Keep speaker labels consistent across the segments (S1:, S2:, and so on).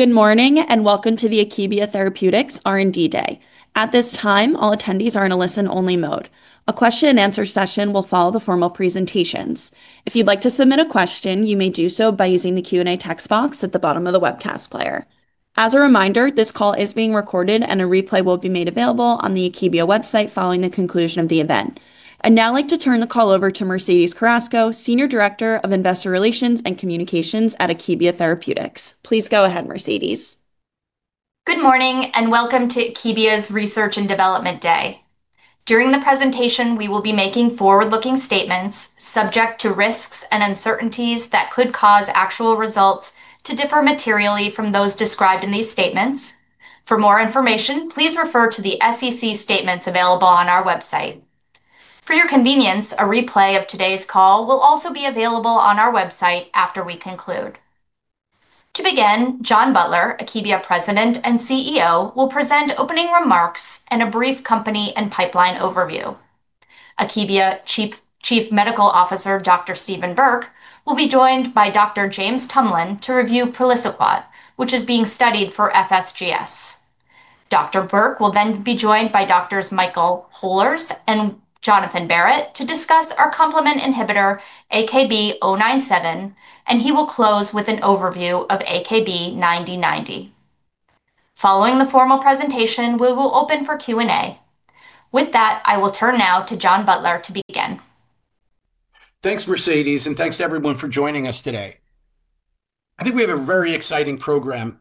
S1: Good morning, and welcome to the Akebia Therapeutics R&D Day. At this time, all attendees are in a listen-only mode. A question and answer session will follow the formal presentations. If you'd like to submit a question, you may do so by using the Q&A text box at the bottom of the webcast player. As a reminder, this call is being recorded and a replay will be made available on the Akebia website following the conclusion of the event. I'd now like to turn the call over to Mercedes Carrasco, Senior Director of Investor Relations and Communications at Akebia Therapeutics. Please go ahead, Mercedes.
S2: Good morning, and welcome to Akebia's Research and Development Day. During the presentation, we will be making forward-looking statements subject to risks and uncertainties that could cause actual results to differ materially from those described in these statements. For more information, please refer to the SEC statements available on our website. For your convenience, a replay of today's call will also be available on our website after we conclude. To begin, John Butler, Akebia's President and CEO, will present opening remarks and a brief company and pipeline overview. Akebia's Chief Medical Officer, Dr. Steven Burke, will be joined by Dr. James Tumlin to review praliciguat, which is being studied for FSGS. Dr. Burke will then be joined by Doctors Michael Holers and Jonathan Barratt to discuss our complement inhibitor, AKB-097, and he will close with an overview of AKB-9090. Following the formal presentation, we will open for Q&A. With that, I will turn now to John Butler to begin.
S3: Thanks, Mercedes, and thanks to everyone for joining us today. I think we have a very exciting program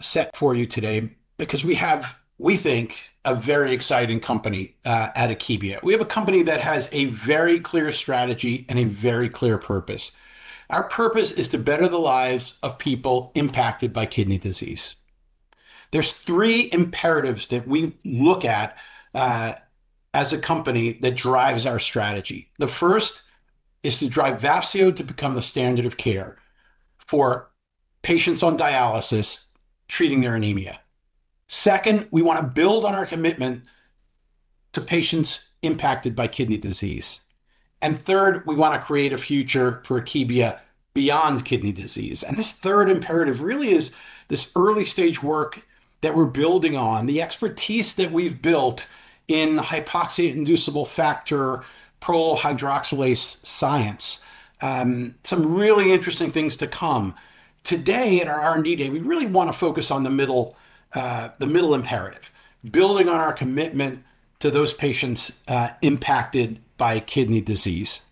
S3: set for you today because we have, we think, a very exciting company at Akebia. We have a company that has a very clear strategy and a very clear purpose. Our purpose is to better the lives of people impacted by kidney disease. There's three imperatives that we look at as a company that drives our strategy. The first is to drive Vafseo to become the standard of care for patients on dialysis treating their anemia. Second, we wanna build on our commitment to patients impacted by kidney disease. Third, we wanna create a future for Akebia beyond kidney disease. This third imperative really is this early-stage work that we're building on, the expertise that we've built in the hypoxia-inducible factor prolyl hydroxylase science. Some really interesting things to come. Today at our R&D Day, we really wanna focus on the middle imperative, building on our commitment to those patients impacted by kidney disease.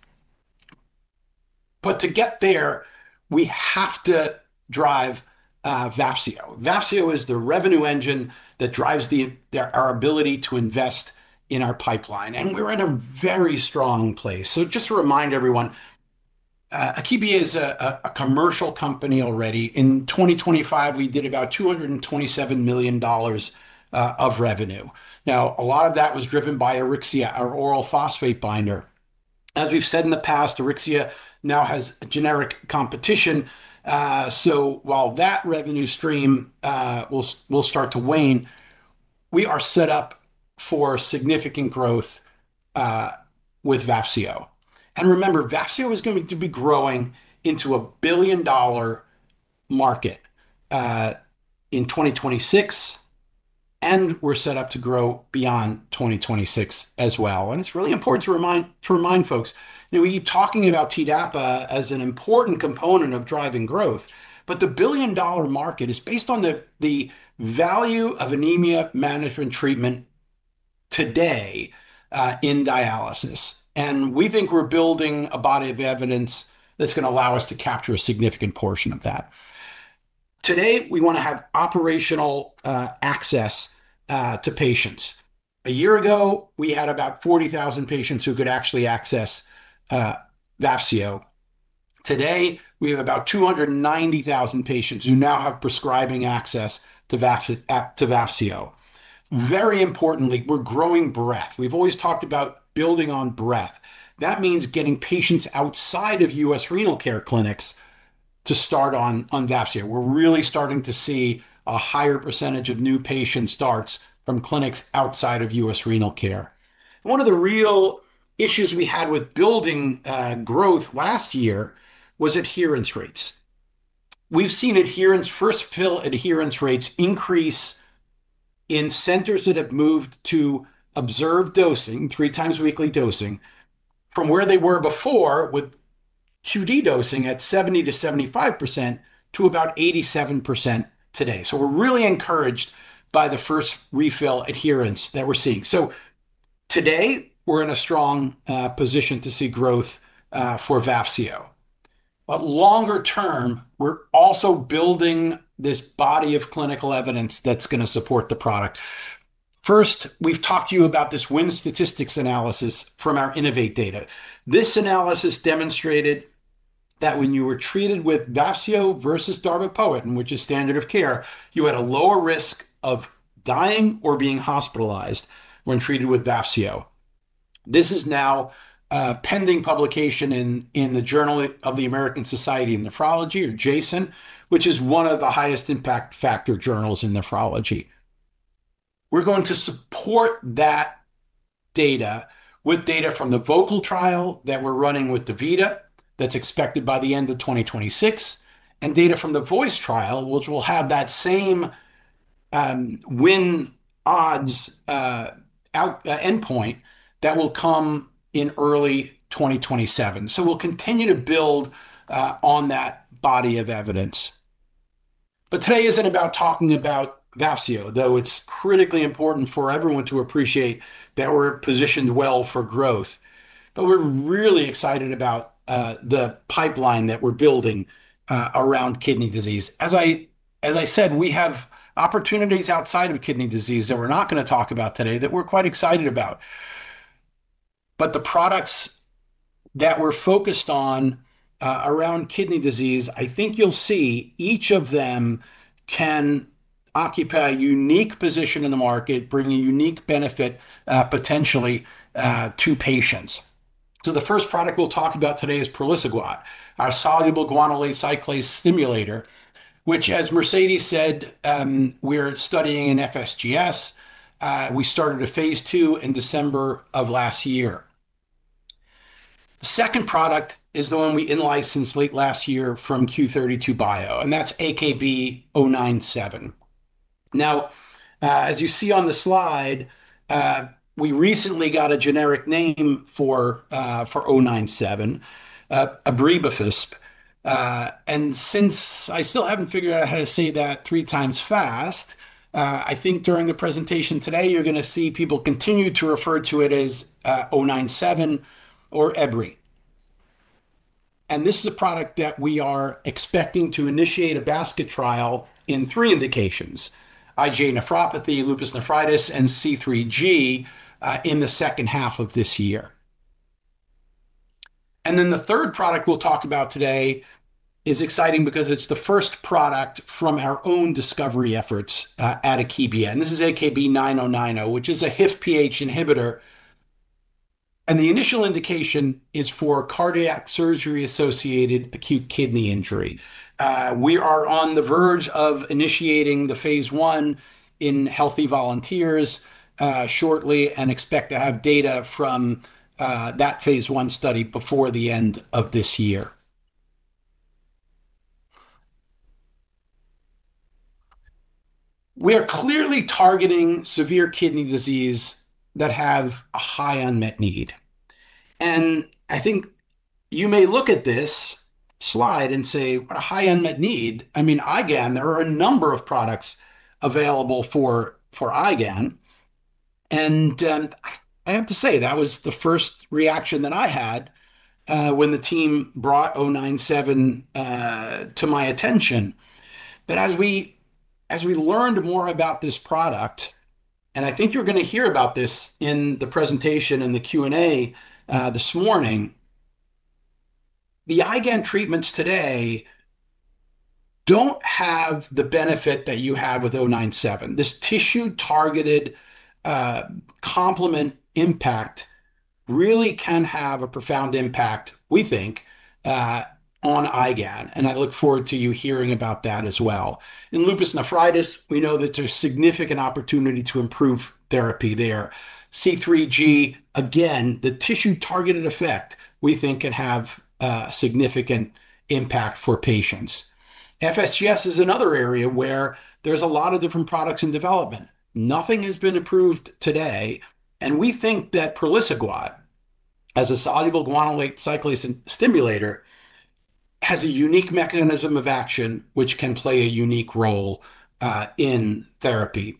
S3: To get there, we have to drive Vafseo. Vafseo is the revenue engine that drives our ability to invest in our pipeline, and we're at a very strong place. Just to remind everyone, Akebia is a commercial company already. In 2025, we did about $227 million of revenue. Now, a lot of that was driven by AURYXIA, our oral phosphate binder. As we've said in the past, AURYXIA now has generic competition. While that revenue stream will start to wane, we are set up for significant growth with Vafseo. Remember, Vafseo is going to be growing into a billion-dollar market in 2026, and we're set up to grow beyond 2026 as well. It's really important to remind folks. You know, we keep talking about TDAPA as an important component of driving growth, but the billion-dollar market is based on the value of anemia management treatment today in dialysis. We think we're building a body of evidence that's gonna allow us to capture a significant portion of that. Today, we wanna have operational access to patients. A year ago, we had about 40,000 patients who could actually access Vafseo. Today, we have about 290,000 patients who now have prescribing access to Vafseo. Very importantly, we're growing breadth. We've always talked about building on breadth. That means getting patients outside of U.S. Renal Care clinics to start on Vafseo. We're really starting to see a higher percentage of new patient starts from clinics outside of U.S. Renal Care. One of the real issues we had with building growth last year was adherence rates. We've seen adherence, first fill adherence rates increase in centers that have moved to observed dosing, 3x weekly dosing, from where they were before with QD dosing at 70%-75% to about 87% today. We're really encouraged by the first refill adherence that we're seeing. Today, we're in a strong position to see growth for Vafseo. Longer term, we're also building this body of clinical evidence that's gonna support the product. First, we've talked to you about this win statistics analysis from our INNO2VATE data. This analysis demonstrated that when you were treated with Vafseo versus darbepoetin, which is standard of care, you had a lower risk of dying or being hospitalized when treated with Vafseo. This is now pending publication in the Journal of the American Society of Nephrology or JASN, which is one of the highest impact factor journals in nephrology. We're going to support that data with data from the VOCAL trial that we're running with DaVita that's expected by the end of 2026, and data from the VOICE trial, which will have that same win odds outcome endpoint that will come in early 2027. We'll continue to build on that body of evidence. Today isn't about talking about AURYXIA, though it's critically important for everyone to appreciate that we're positioned well for growth. We're really excited about the pipeline that we're building around kidney disease. As I said, we have opportunities outside of kidney disease that we're not gonna talk about today that we're quite excited about. The products that we're focused on around kidney disease, I think you'll see each of them can occupy a unique position in the market, bring a unique benefit potentially to patients. The first product we'll talk about today is praliciguat, our soluble guanylate cyclase stimulator, which as Mercedes said, we're studying in FSGS. We started a phase II in December of last year. The second product is the one we in-licensed late last year from Q32 Bio, and that's AKB-097. Now, as you see on the slide, we recently got a generic name for AKB-097, abribafisp. Since I still haven't figured out how to say that three times fast, I think during the presentation today you're gonna see people continue to refer to it as AKB-097 or Ebri. This is a product that we are expecting to initiate a basket trial in three indications, IgA nephropathy, lupus nephritis, and C3G, in the second half of this year. The third product we'll talk about today is exciting because it's the first product from our own discovery efforts at Akebia. This is AKB-9090, which is a HIF-PH inhibitor, and the initial indication is for cardiac surgery-associated acute kidney injury. We are on the verge of initiating phase I in healthy volunteers shortly and expect to have data from that phase I study before the end of this year. We are clearly targeting severe kidney disease that have a high unmet need. I think you may look at this slide and say, "What a high unmet need." I mean, IgAN, there are a number of products available for IgAN. I have to say that was the first reaction that I had when the team brought AKB-097 to my attention. As we learned more about this product, and I think you're gonna hear about this in the presentation in the Q&A this morning, the IgAN treatments today don't have the benefit that you have with AKB-097. This tissue-targeted complement impact really can have a profound impact, we think, on IgAN, and I look forward to you hearing about that as well. In lupus nephritis, we know that there's significant opportunity to improve therapy there. C3G, again, the tissue-targeted effect we think can have a significant impact for patients. FSGS is another area where there's a lot of different products in development. Nothing has been approved today, and we think that praliciguat, as a soluble guanylate cyclase stimulator, has a unique mechanism of action which can play a unique role in therapy.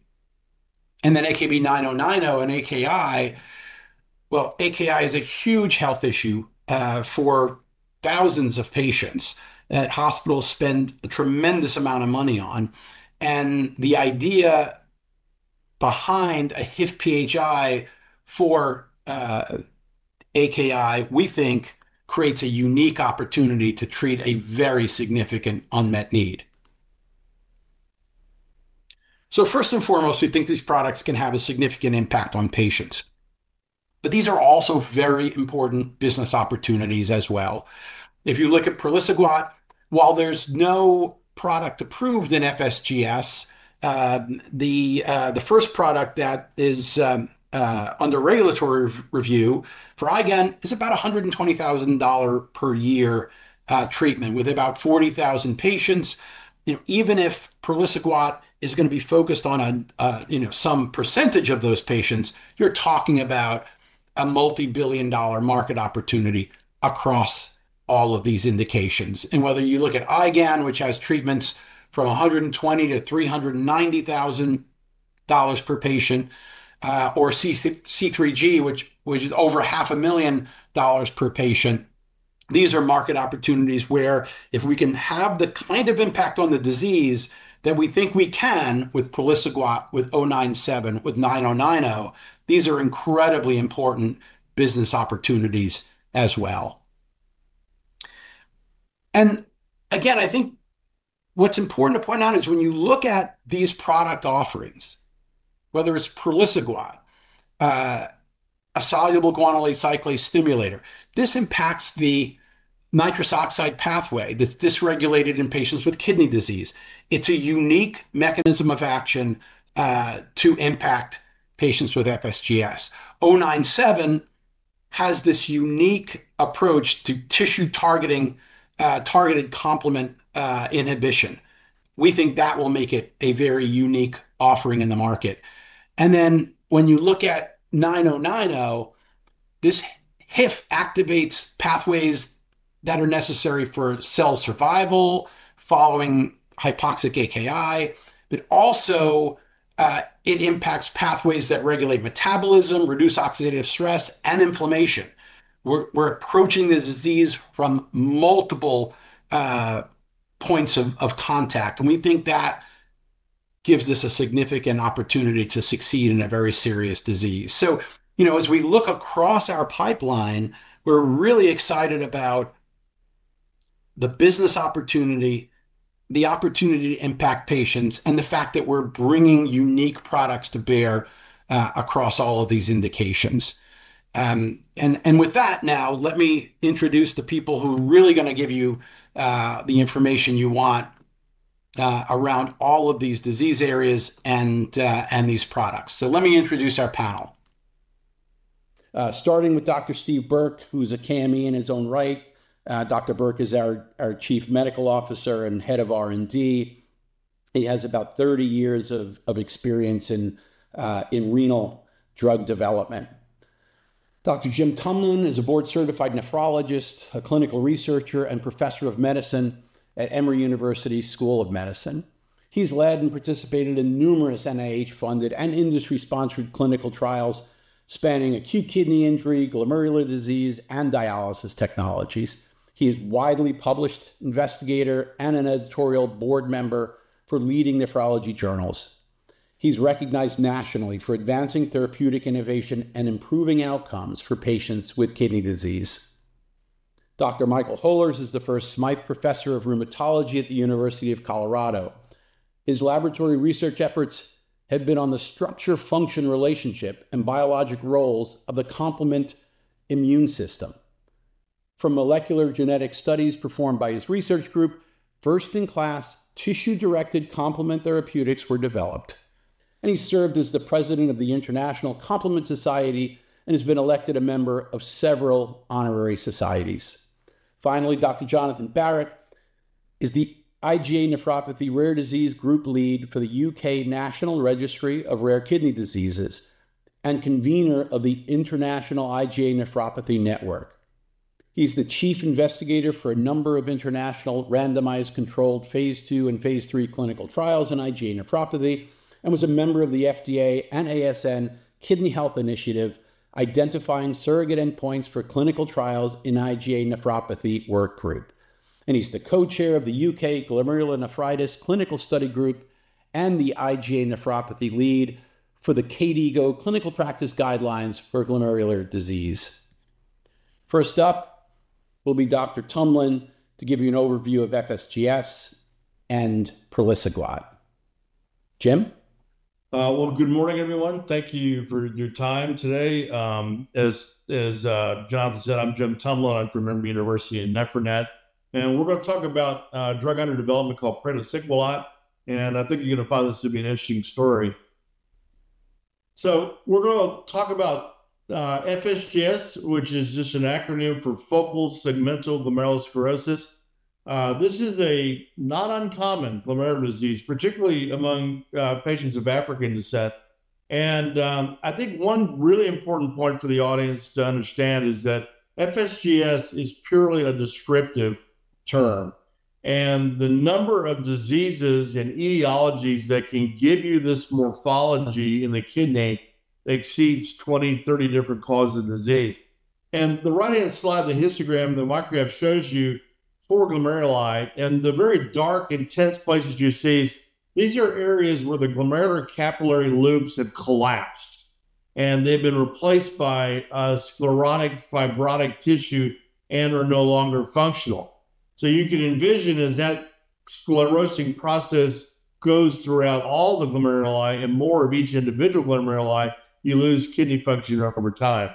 S3: AKB-9090 and AKI, well, AKI is a huge health issue for thousands of patients that hospitals spend a tremendous amount of money on. The idea behind a HIF-PHI for AKI, we think creates a unique opportunity to treat a very significant unmet need. First and foremost, we think these products can have a significant impact on patients. These are also very important business opportunities as well. If you look at praliciguat, while there's no product approved in FSGS, the first product that is under regulatory review for IgAN is about $120,000 per year treatment with about 40,000 patients. You know, even if praliciguat is gonna be focused on, you know, some percentage of those patients, you're talking about a multi-billion-dollar market opportunity across all of these indications. Whether you look at IgAN, which has treatments from $120,000-$390,000 per patient, or C3G, which is over $500,000 per patient, these are market opportunities where if we can have the kind of impact on the disease that we think we can with praliciguat, with AKB-097, with AKB-9090, these are incredibly important business opportunities as well. I think what's important to point out is when you look at these product offerings, whether it's praliciguat, a soluble guanylate cyclase stimulator. This impacts the nitric oxide pathway that's dysregulated in patients with kidney disease. It's a unique mechanism of action to impact patients with FSGS. AKB-097 has this unique approach to tissue targeting, targeted complement inhibition. We think that will make it a very unique offering in the market. When you look at AKB-9090, this HIF activates pathways that are necessary for cell survival following hypoxic AKI, but also, it impacts pathways that regulate metabolism, reduce oxidative stress and inflammation. We're approaching the disease from multiple points of contact, and we think that gives this a significant opportunity to succeed in a very serious disease. You know, as we look across our pipeline, we're really excited about the business opportunity, the opportunity to impact patients, and the fact that we're bringing unique products to bear across all of these indications. With that now, let me introduce the people who are really gonna give you the information you want around all of these disease areas and these products. Let me introduce our panel. Starting with Dr. Steve Burke, who's a KOL in his own right. Dr. Burk is our Chief Medical Officer and head of R&D. He has about 30 years of experience in renal drug development. Dr. Jim Tumlin is a board-certified nephrologist, a clinical researcher, and Professor of Medicine at Emory University School of Medicine. He's led and participated in numerous NIH-funded and industry-sponsored clinical trials spanning acute kidney injury, glomerular disease, and dialysis technologies. He is a widely published investigator and an editorial board member for leading nephrology journals. He's recognized nationally for advancing therapeutic innovation and improving outcomes for patients with kidney disease. Dr. Michael Holers is the first Smyth Professor of Rheumatology at the University of Colorado. His laboratory research efforts have been on the structure-function relationship and biologic roles of the complement immune system. From molecular genetic studies performed by his research group, first in class tissue-directed complement therapeutics were developed, and he served as the president of the International Complement Society and has been elected a member of several honorary societies. Finally, Dr. Jonathan Barratt is the IgA nephropathy Rare Disease Group lead for the U.K. National Registry of Rare Kidney Diseases and convener of the International IgA Nephropathy Network. He's the chief investigator for a number of international randomized controlled phase II and phase III clinical trials in IgA nephropathy, and was a member of the FDA and ASN Kidney Health Initiative identifying surrogate endpoints for clinical trials in IgA nephropathy work group. He's the co-chair of the U.K. Glomerulonephritis Clinical Study Group and the IgA nephropathy lead for the KDIGO Clinical Practice Guidelines for Glomerular Disease. First up will be Dr. Tumlin to give you an overview of FSGS and praliciguat. Jim?
S4: Well good morning, everyone. Thank you for your time today. As John said, I'm Jim Tumlin. I'm from Emory University and NephroNet, and we're gonna talk about a drug under development called praliciguat, and I think you're gonna find this to be an interesting story. We're gonna talk about FSGS, which is just an acronym for focal segmental glomerulosclerosis. This is a not uncommon glomerular disease, particularly among patients of African descent. I think one really important point for the audience to understand is that FSGS is purely a descriptive term, and the number of diseases and etiologies that can give you this morphology in the kidney exceeds 20, 30 different causes of disease. The right-hand slide of the histogram, the micrograph shows you four glomeruli, and the very dark intense places you see, these are areas where the glomerular capillary loops have collapsed, and they've been replaced by sclerotic fibrotic tissue and are no longer functional. You can envision as that sclerosing process goes throughout all the glomeruli and more of each individual glomeruli, you lose kidney function over time.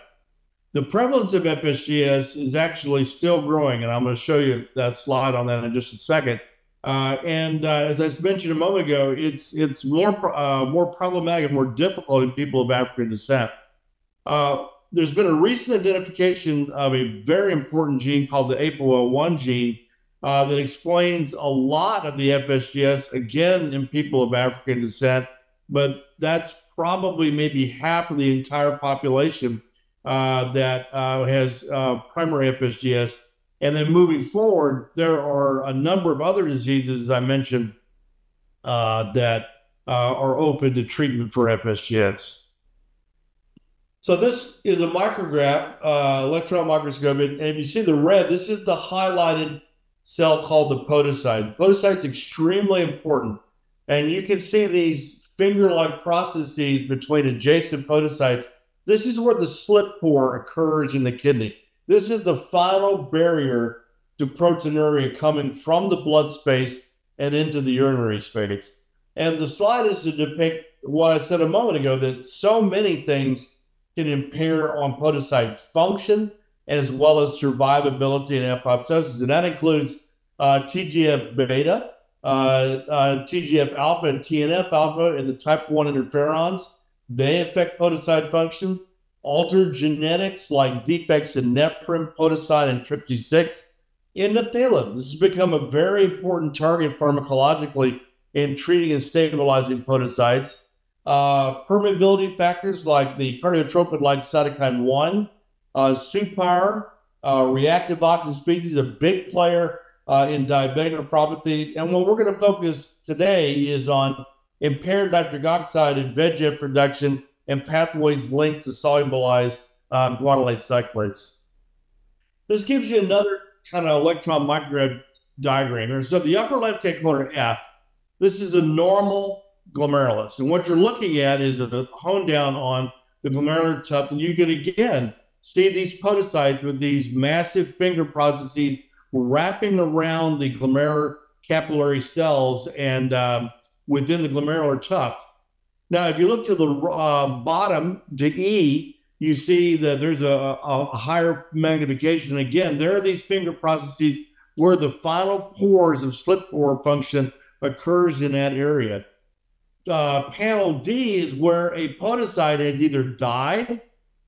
S4: The prevalence of FSGS is actually still growing, and I'm gonna show you that slide on that in just a second. As I mentioned a moment ago, it's more problematic and more difficult in people of African descent. There's been a recent identification of a very important gene called the APOL1 gene that explains a lot of the FSGS again in people of African descent, but that's probably maybe half of the entire population that has primary FSGS. Moving forward, there are a number of other diseases, as I mentioned, that are open to treatment for FSGS. This is a micrograph, electron microscopy. If you see the red, this is the highlighted cell called the podocyte. Podocyte's extremely important, and you can see these finger-like processes between adjacent podocytes. This is where the slit pore occurs in the kidney. This is the final barrier to proteinuria coming from the blood space and into the urinary space. The slide is to depict what I said a moment ago, that so many things can impair on podocyte function as well as survivability and apoptosis. That includes TGF-β, TGF-α and TNF-α and the Type I Interferons. They affect podocyte function. Altered genetics like defects in nephrin, podocin, and TRPC6. Endothelium. This has become a very important target pharmacologically in treating and stabilizing podocytes. Permeability factors like the cardiotrophin-like cytokine 1, suPAR, reactive oxygen species, a big player, in diabetic nephropathy. What we're gonna focus today is on impaired nitric oxide and VEGF production and pathways linked to soluble guanylate cyclase. This gives you another kinda electron micrograph diagram. The upper left-hand corner F, this is a normal glomerulus. What you're looking at is a zoom in on the glomerular tuft, and you can again see these podocytes with these massive finger processes wrapping around the glomerular capillary cells and within the glomerular tuft. Now if you look to the bottom right to E, you see that there's a higher magnification. Again, there are these finger processes where the final pores of slit pore function occurs in that area. Panel D is where a podocyte has either died,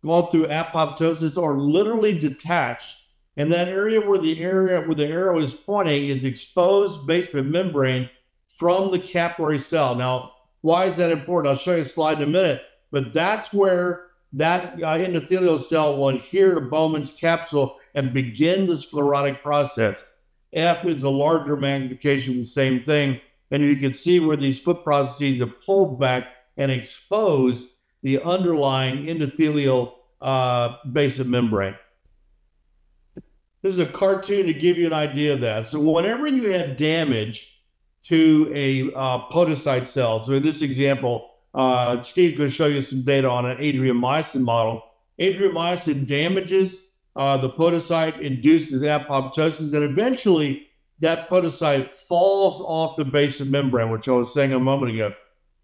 S4: gone through apoptosis, or literally detached, and that area where the arrow is pointing is exposed basement membrane from the capillary cell. Now why is that important? I'll show you a slide in a minute. That's where that endothelial cell will adhere to Bowman's capsule and begin the sclerotic process. F is a larger magnification, the same thing, and you can see where these foot processes are pulled back and expose the underlying endothelial basement membrane. This is a cartoon to give you an idea of that. Whenever you have damage to a podocyte cell, so in this example, Steve's gonna show you some data on an Adriamycin model. Adriamycin damages the podocyte, induces apoptosis, and eventually that podocyte falls off the basement membrane, which I was saying a moment ago.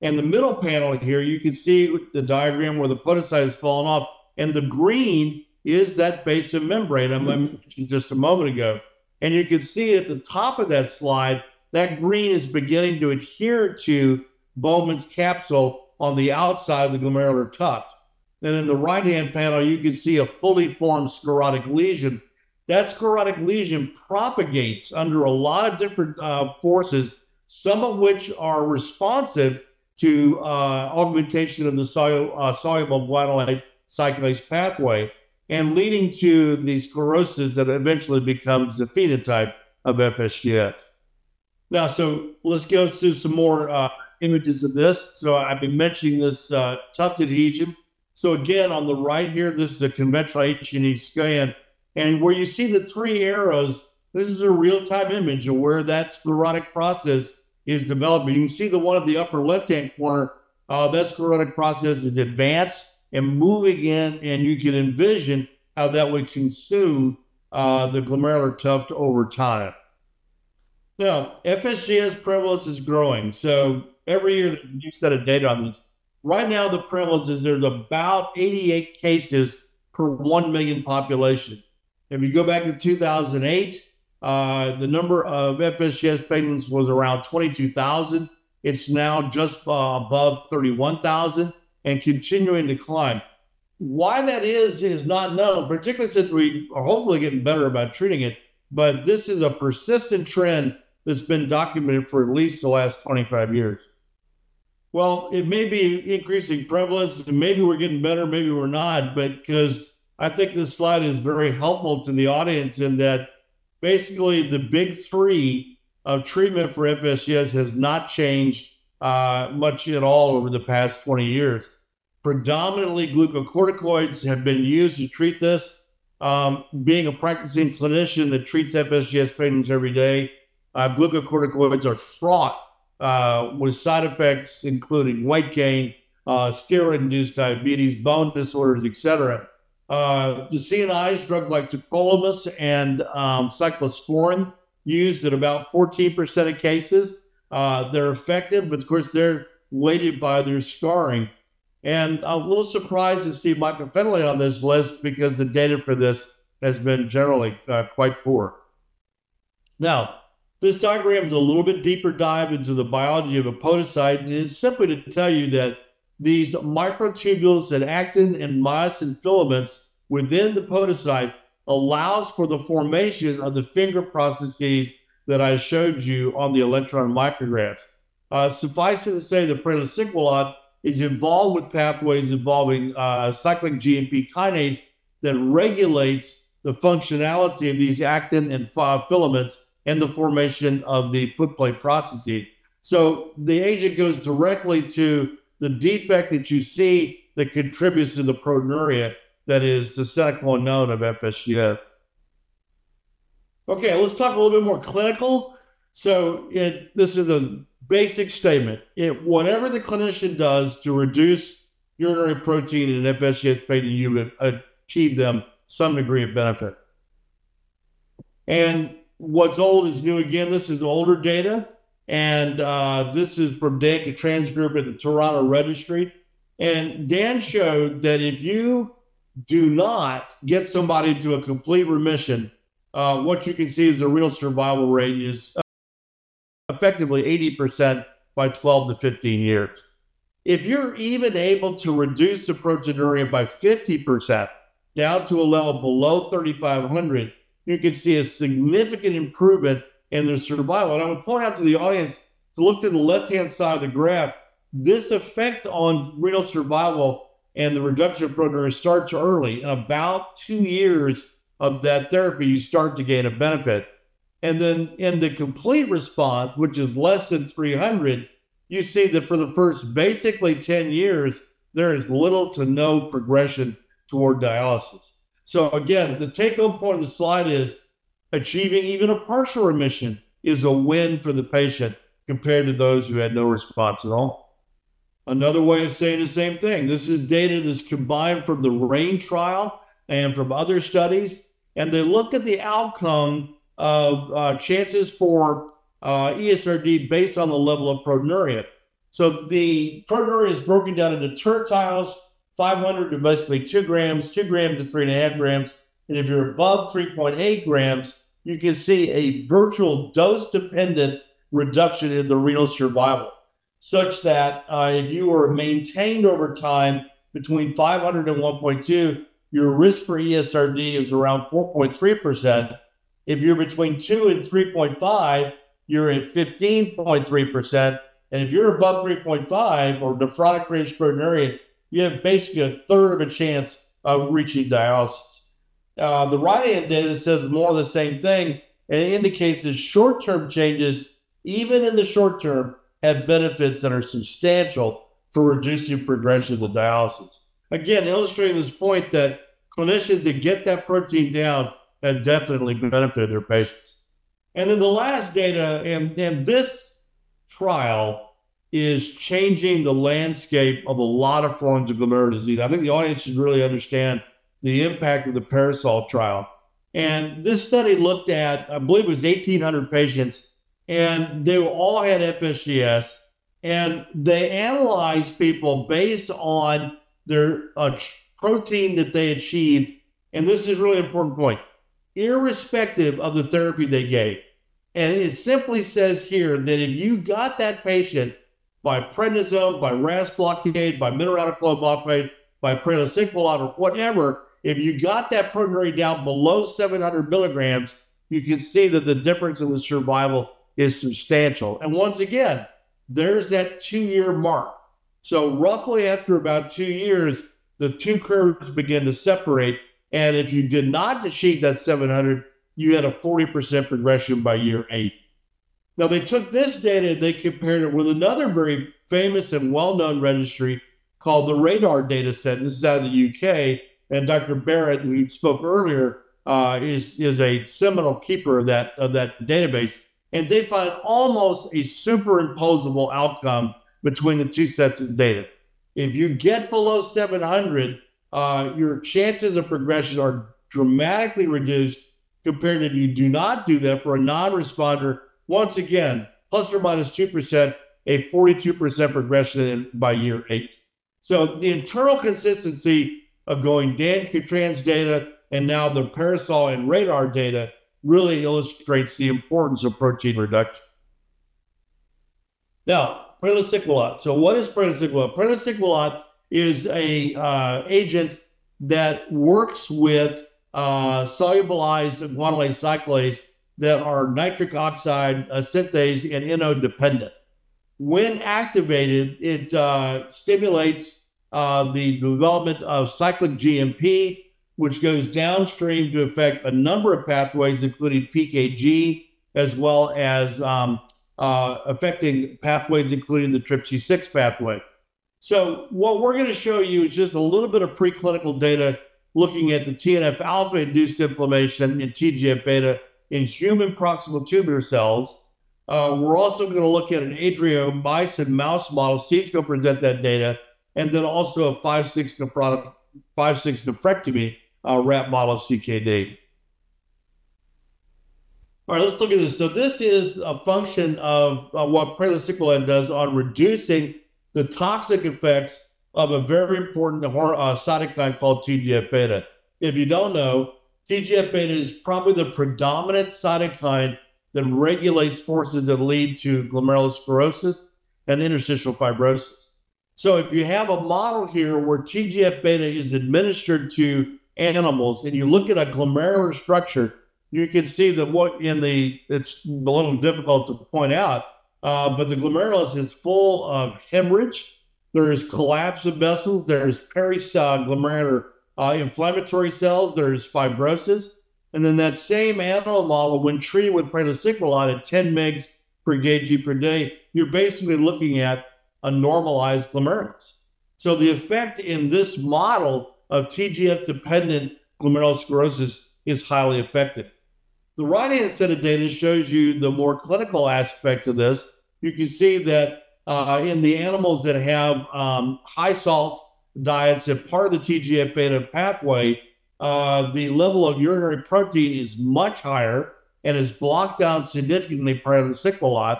S4: In the middle panel here, you can see the diagram where the podocyte has fallen off, and the green is that basement membrane I mentioned just a moment ago. You can see at the top of that slide, that green is beginning to adhere to Bowman's capsule on the outside of the glomerular tuft. In the right-hand panel, you can see a fully formed sclerotic lesion. That sclerotic lesion propagates under a lot of different forces, some of which are responsive to augmentation of the soluble guanylate cyclase pathway, and leading to the sclerosis that eventually becomes the phenotype of FSGS. Now let's go through some more images of this. I've been mentioning this tuft adhesion. Again, on the right here, this is a conventional H&E scan. Where you see the three arrows, this is a real-time image of where that sclerotic process is developing. You can see the one at the upper left-hand corner, that sclerotic process is advanced and moving in, and you can envision how that would consume the glomerular tuft over time. Now, FSGS prevalence is growing, so every year there's a new set of data on this. Right now, the prevalence is there's about 88 cases per 1 million population. If you go back to 2008, the number of FSGS patients was around 22,000. It's now just above 31,000 and continuing to climb. Why that is is not known, particularly since we are hopefully getting better about treating it, but this is a persistent trend that's been documented for at least the last 25 years. Well, it may be increasing prevalence, and maybe we're getting better, maybe we're not, but because I think this slide is very helpful to the audience in that basically the big three of treatment for FSGS has not changed much at all over the past 20 years. Predominantly glucocorticoids have been used to treat this. Being a practicing clinician that treats FSGS patients every day, glucocorticoids are fraught with side effects including weight gain, steroid-induced diabetes, bone disorders, et cetera. The CNIs, drugs like tacrolimus and cyclosporine, used in about 14% of cases. They're effective, but of course, they're weighted by their scarring. I'm a little surprised to see mycophenolate on this list because the data for this has been generally quite poor. Now, this diagram is a little bit deeper dive into the biology of a podocyte, and it's simply to tell you that these microtubules and actin and myosin filaments within the podocyte allows for the formation of the finger processes that I showed you on the electron micrographs. Suffice it to say, the praliciguat is involved with pathways involving cyclic GMP kinase that regulates the functionality of these actin and phi filaments and the formation of the foot plate processes. The agent goes directly to the defect that you see that contributes to the proteinuria that is the second one known of FSGS. Okay, let's talk a little bit more clinical. This is a basic statement. Whatever the clinician does to reduce urinary protein in an FSGS patient, you would achieve them some degree of benefit. What's old is new again. This is older data, and this is from Dan Cattran group at the Toronto Registry. Dan showed that if you do not get somebody to a complete remission, what you can see is a renal survival rate is effectively 80% by 12-15 years. If you're even able to reduce the proteinuria by 50% down to a level below 3,500, you can see a significant improvement in their survival. I would point out to the audience to look to the left-hand side of the graph. This effect on renal survival and the reduction of proteinuria starts early. In about two years of that therapy, you start to gain a benefit. Then in the complete response, which is less than 300, you see that for the first basically 10 years, there is little to no progression toward dialysis. Again, the take-home point of the slide is achieving even a partial remission is a win for the patient compared to those who had no response at all. Another way of saying the same thing. This is data that's combined from the REIN trial and from other studies, and they look at the outcome of chances for ESRD based on the level of proteinuria. The proteinuria is broken down into tertiles, 500 to basically 2 g, 2 g to 3.5 g. If you're above 3.8 g, you can see a virtual dose-dependent reduction in the renal survival, such that if you were maintained over time between 500 and 1.2 g, your risk for ESRD is around 4.3%. If you're between 2 g and 3.5 g, you're at 15.3%. If you're above 3.5 g or nephrotic range proteinuria, you have basically a third of a chance of reaching dialysis. The right-hand data says more of the same thing, and it indicates that short-term changes, even in the short term, have benefits that are substantial for reducing progression to dialysis. Again, illustrating this point that clinicians that get that protein down have definitely benefited their patients. The last data, and this trial is changing the landscape of a lot of forms of glomerular disease. I think the audience should really understand the impact of the PARASOL trial. This study looked at, I believe it was 1,800 patients, and they all had FSGS, and they analyzed people based on their protein that they achieved. This is a really important point, irrespective of the therapy they gave. It simply says here that if you got that patient by prednisone, by RAAS blockade, by mineralocorticoid blockade, by praliciguat or whatever, if you got that proteinuria down below 700 mg, you can see that the difference in the survival is substantial. Once again, there's that two-year mark. Roughly after about two years, the two curves begin to separate, and if you did not achieve that 700 mg, you had a 40% progression by year eight. Now they took this data, they compared it with another very famous and well-known registry called the RaDaR Dataset. This is out of the U.K., and Dr. Barratt, who spoke earlier, is a seminal keeper of that database. They found almost a superimposable outcome between the two sets of data. If you get below 700 mg, your chances of progression are dramatically reduced compared to if you do not do that. For a non-responder, once again, ±2%, a 42% progression by year eight. The internal consistency of going Dan Cattran's data and now the PARASOL and RaDaR data really illustrates the importance of protein reduction. Now, praliciguat. What is praliciguat? Praliciguat is a agent that works with soluble guanylate cyclase that is nitric oxide sensitive and NO-dependent. When activated, it stimulates the development of cyclic GMP, which goes downstream to affect a number of pathways, including PKG, as well as affecting pathways including the TRPC6 pathway. What we're gonna show you is just a little bit of preclinical data looking at the TNF-α-induced inflammation in TGF-β in human proximal tubular cells. We're also gonna look at an Adriamycin mouse model. Steve's gonna present that data. Then also a 5/6 nephrectomy rat model CKD. All right, let's look at this. This is a function of what praliciguat does on reducing the toxic effects of a very important cytokine called TGF-β. If you don't know, TGF-β is probably the predominant cytokine that regulates forces that lead to glomerulosclerosis and interstitial fibrosis. If you have a model here where TGF-β is administered to animals, and you look at a glomerular structure, you can see that. It's a little difficult to point out, but the glomerulus is full of hemorrhage. There is collapse of vessels. There is periglomerular inflammatory cells. There's fibrosis. That same animal model when treated with praliciguat at 10 mg/kg per day, you're basically looking at a normalized glomerulus. The effect in this model of TGF-β dependent glomerulosclerosis is highly effective. The right-hand set of data shows you the more clinical aspects of this. You can see that in the animals that have high salt diets and part of the TGF-β pathway, the level of urinary protein is much higher and is brought down significantly by the praliciguat.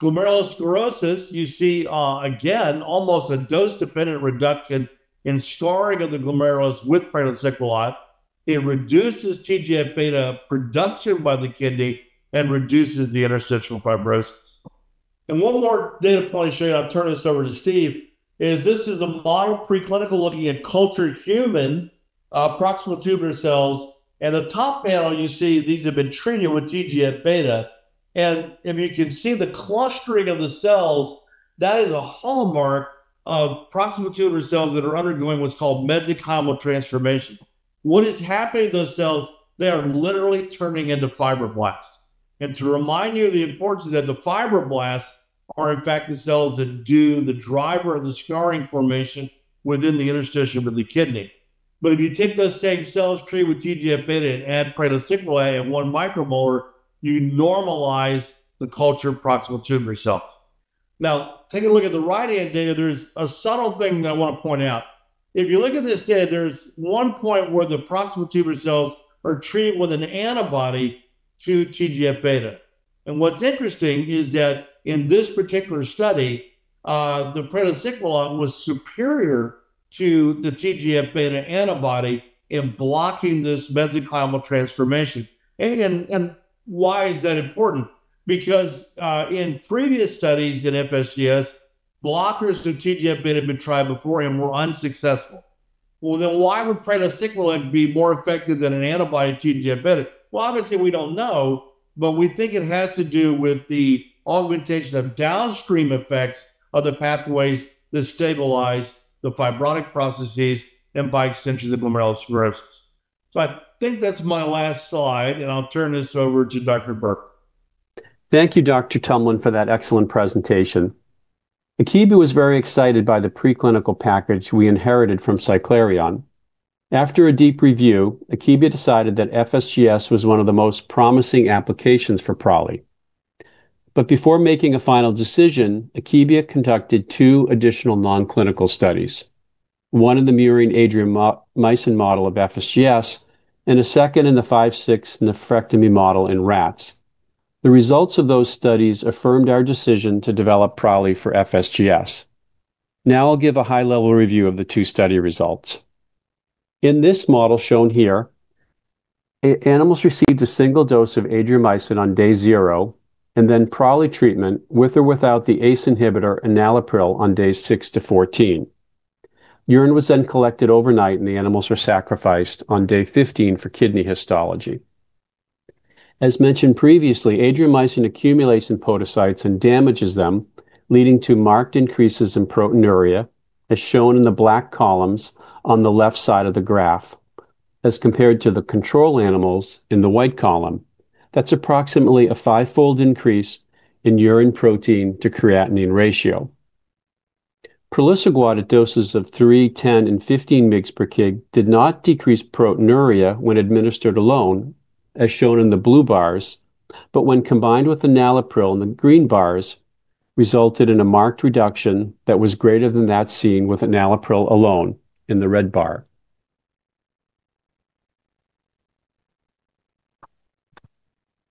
S4: Glomerulosclerosis you see again almost a dose-dependent reduction in scarring of the glomerulus with praliciguat. It reduces TGF-β production by the kidney and reduces the interstitial fibrosis. One more data point I'll show you, and I'll turn this over to Steve, is this is a preclinical model looking at cultured human proximal tubular cells. The top panel you see, these have been treated with TGF-β. If you can see the clustering of the cells, that is a hallmark of proximal tubular cells that are undergoing what's called mesenchymal transformation. What is happening to those cells, they are literally turning into fibroblasts. To remind you of the importance that the fibroblasts are in fact the cells that do the driver of the scarring formation within the interstitium of the kidney. If you take those same cells treated with TGF-β and add praliciguat at 1 micromolar, you normalize the culture of proximal tubular cells. Now, taking a look at the right-hand data, there's a subtle thing that I want to point out. If you look at this data, there's one point where the proximal tubular cells are treated with an antibody to TGF-β. What's interesting is that in this particular study, the praliciguat was superior to the TGF-β antibody in blocking this mesenchymal transformation. Why is that important? Because in previous studies in FSGS, blockers to TGF-β have been tried before and were unsuccessful. Well, then why would praliciguat be more effective than an antibody to TGF-β? Well, obviously we don't know, but we think it has to do with the augmentation of downstream effects of the pathways that stabilize the fibrotic processes and by extension the glomerulosclerosis. I think that's my last slide, and I'll turn this over to Dr. Burke.
S5: Thank you, Dr. Tumlin, for that excellent presentation. Akebia was very excited by the preclinical package we inherited from Cyclerion. After a deep review, Akebia decided that FSGS was one of the most promising applications for praliciguat. Before making a final decision, Akebia conducted two additional non-clinical studies, one in the murine Adriamycin model of FSGS, and a second in the 5/6 nephrectomy model in rats. The results of those studies affirmed our decision to develop praliciguat for FSGS. Now I'll give a high-level review of the two study results. In this model shown here, animals received a single dose of Adriamycin on day zero, and then praliciguat treatment with or without the ACE inhibitor enalapril on days six to 14. Urine was then collected overnight, and the animals were sacrificed on day 15 for kidney histology. As mentioned previously, Adriamycin accumulates in podocytes and damages them, leading to marked increases in proteinuria, as shown in the black columns on the left side of the graph, as compared to the control animals in the white column. That's approximately a five-fold increase in urine protein to creatinine ratio. Praliciguat at doses of 3 mg/kg, 10 mg/kg, and 15 mg/kg did not decrease proteinuria when administered alone, as shown in the blue bars, but when combined with enalapril in the green bars, resulted in a marked reduction that was greater than that seen with enalapril alone in the red bar.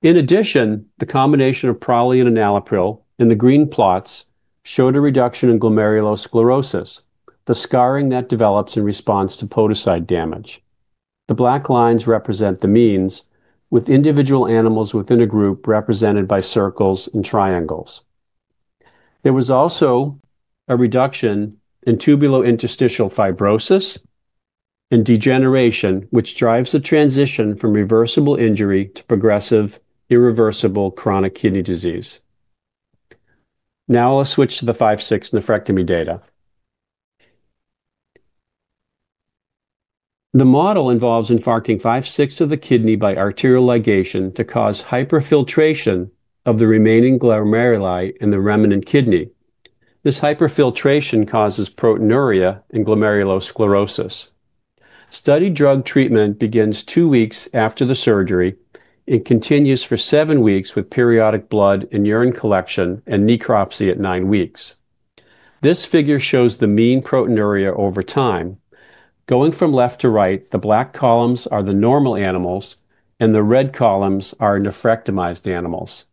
S5: In addition, the combination of praliciguat and enalapril in the green plots showed a reduction in glomerulosclerosis, the scarring that develops in response to podocyte damage. The black lines represent the means, with individual animals within a group represented by circles and triangles. There was also a reduction in tubulointerstitial fibrosis and degeneration, which drives the transition from reversible injury to progressive, irreversible chronic kidney disease. Now I'll switch to the 5/6 nephrectomy data. The model involves infarcting 5/6 of the kidney by arterial ligation to cause hyperfiltration of the remaining glomeruli in the remnant kidney. This hyperfiltration causes proteinuria and glomerulosclerosis. Study drug treatment begins two weeks after the surgery and continues for seven weeks with periodic blood and urine collection and necropsy at nine weeks. This figure shows the mean proteinuria over time. Going from left to right, the black columns are the normal animals, and the red columns are nephrectomized animals.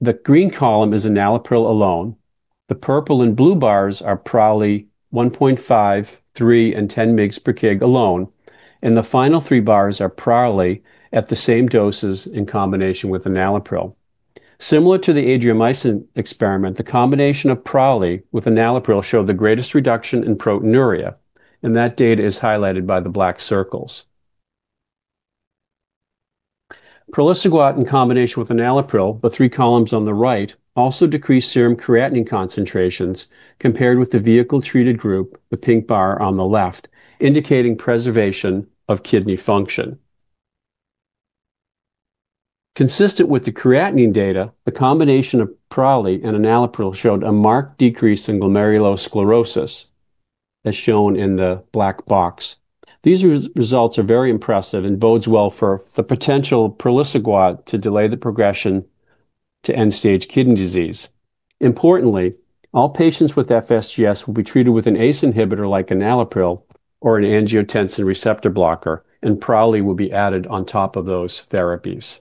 S5: The green column is enalapril alone. The purple and blue bars are praliciguat 1.5 mg/kg, 3 mg/kg, and 10 mg/kg alone, and the final three bars are praliciguat at the same doses in combination with enalapril. Similar to the Adriamycin experiment, the combination of praliciguat with enalapril showed the greatest reduction in proteinuria, and that data is highlighted by the black circles. Praliciguat in combination with enalapril, the three columns on the right, also decreased serum creatinine concentrations compared with the vehicle-treated group, the pink bar on the left, indicating preservation of kidney function. Consistent with the creatinine data, the combination of praliciguat and enalapril showed a marked decrease in glomerulosclerosis, as shown in the black box. These results are very impressive and bodes well for the potential praliciguat to delay the progression to end-stage kidney disease. Importantly, all patients with FSGS will be treated with an ACE inhibitor like enalapril or an angiotensin receptor blocker, and praliciguat will be added on top of those therapies.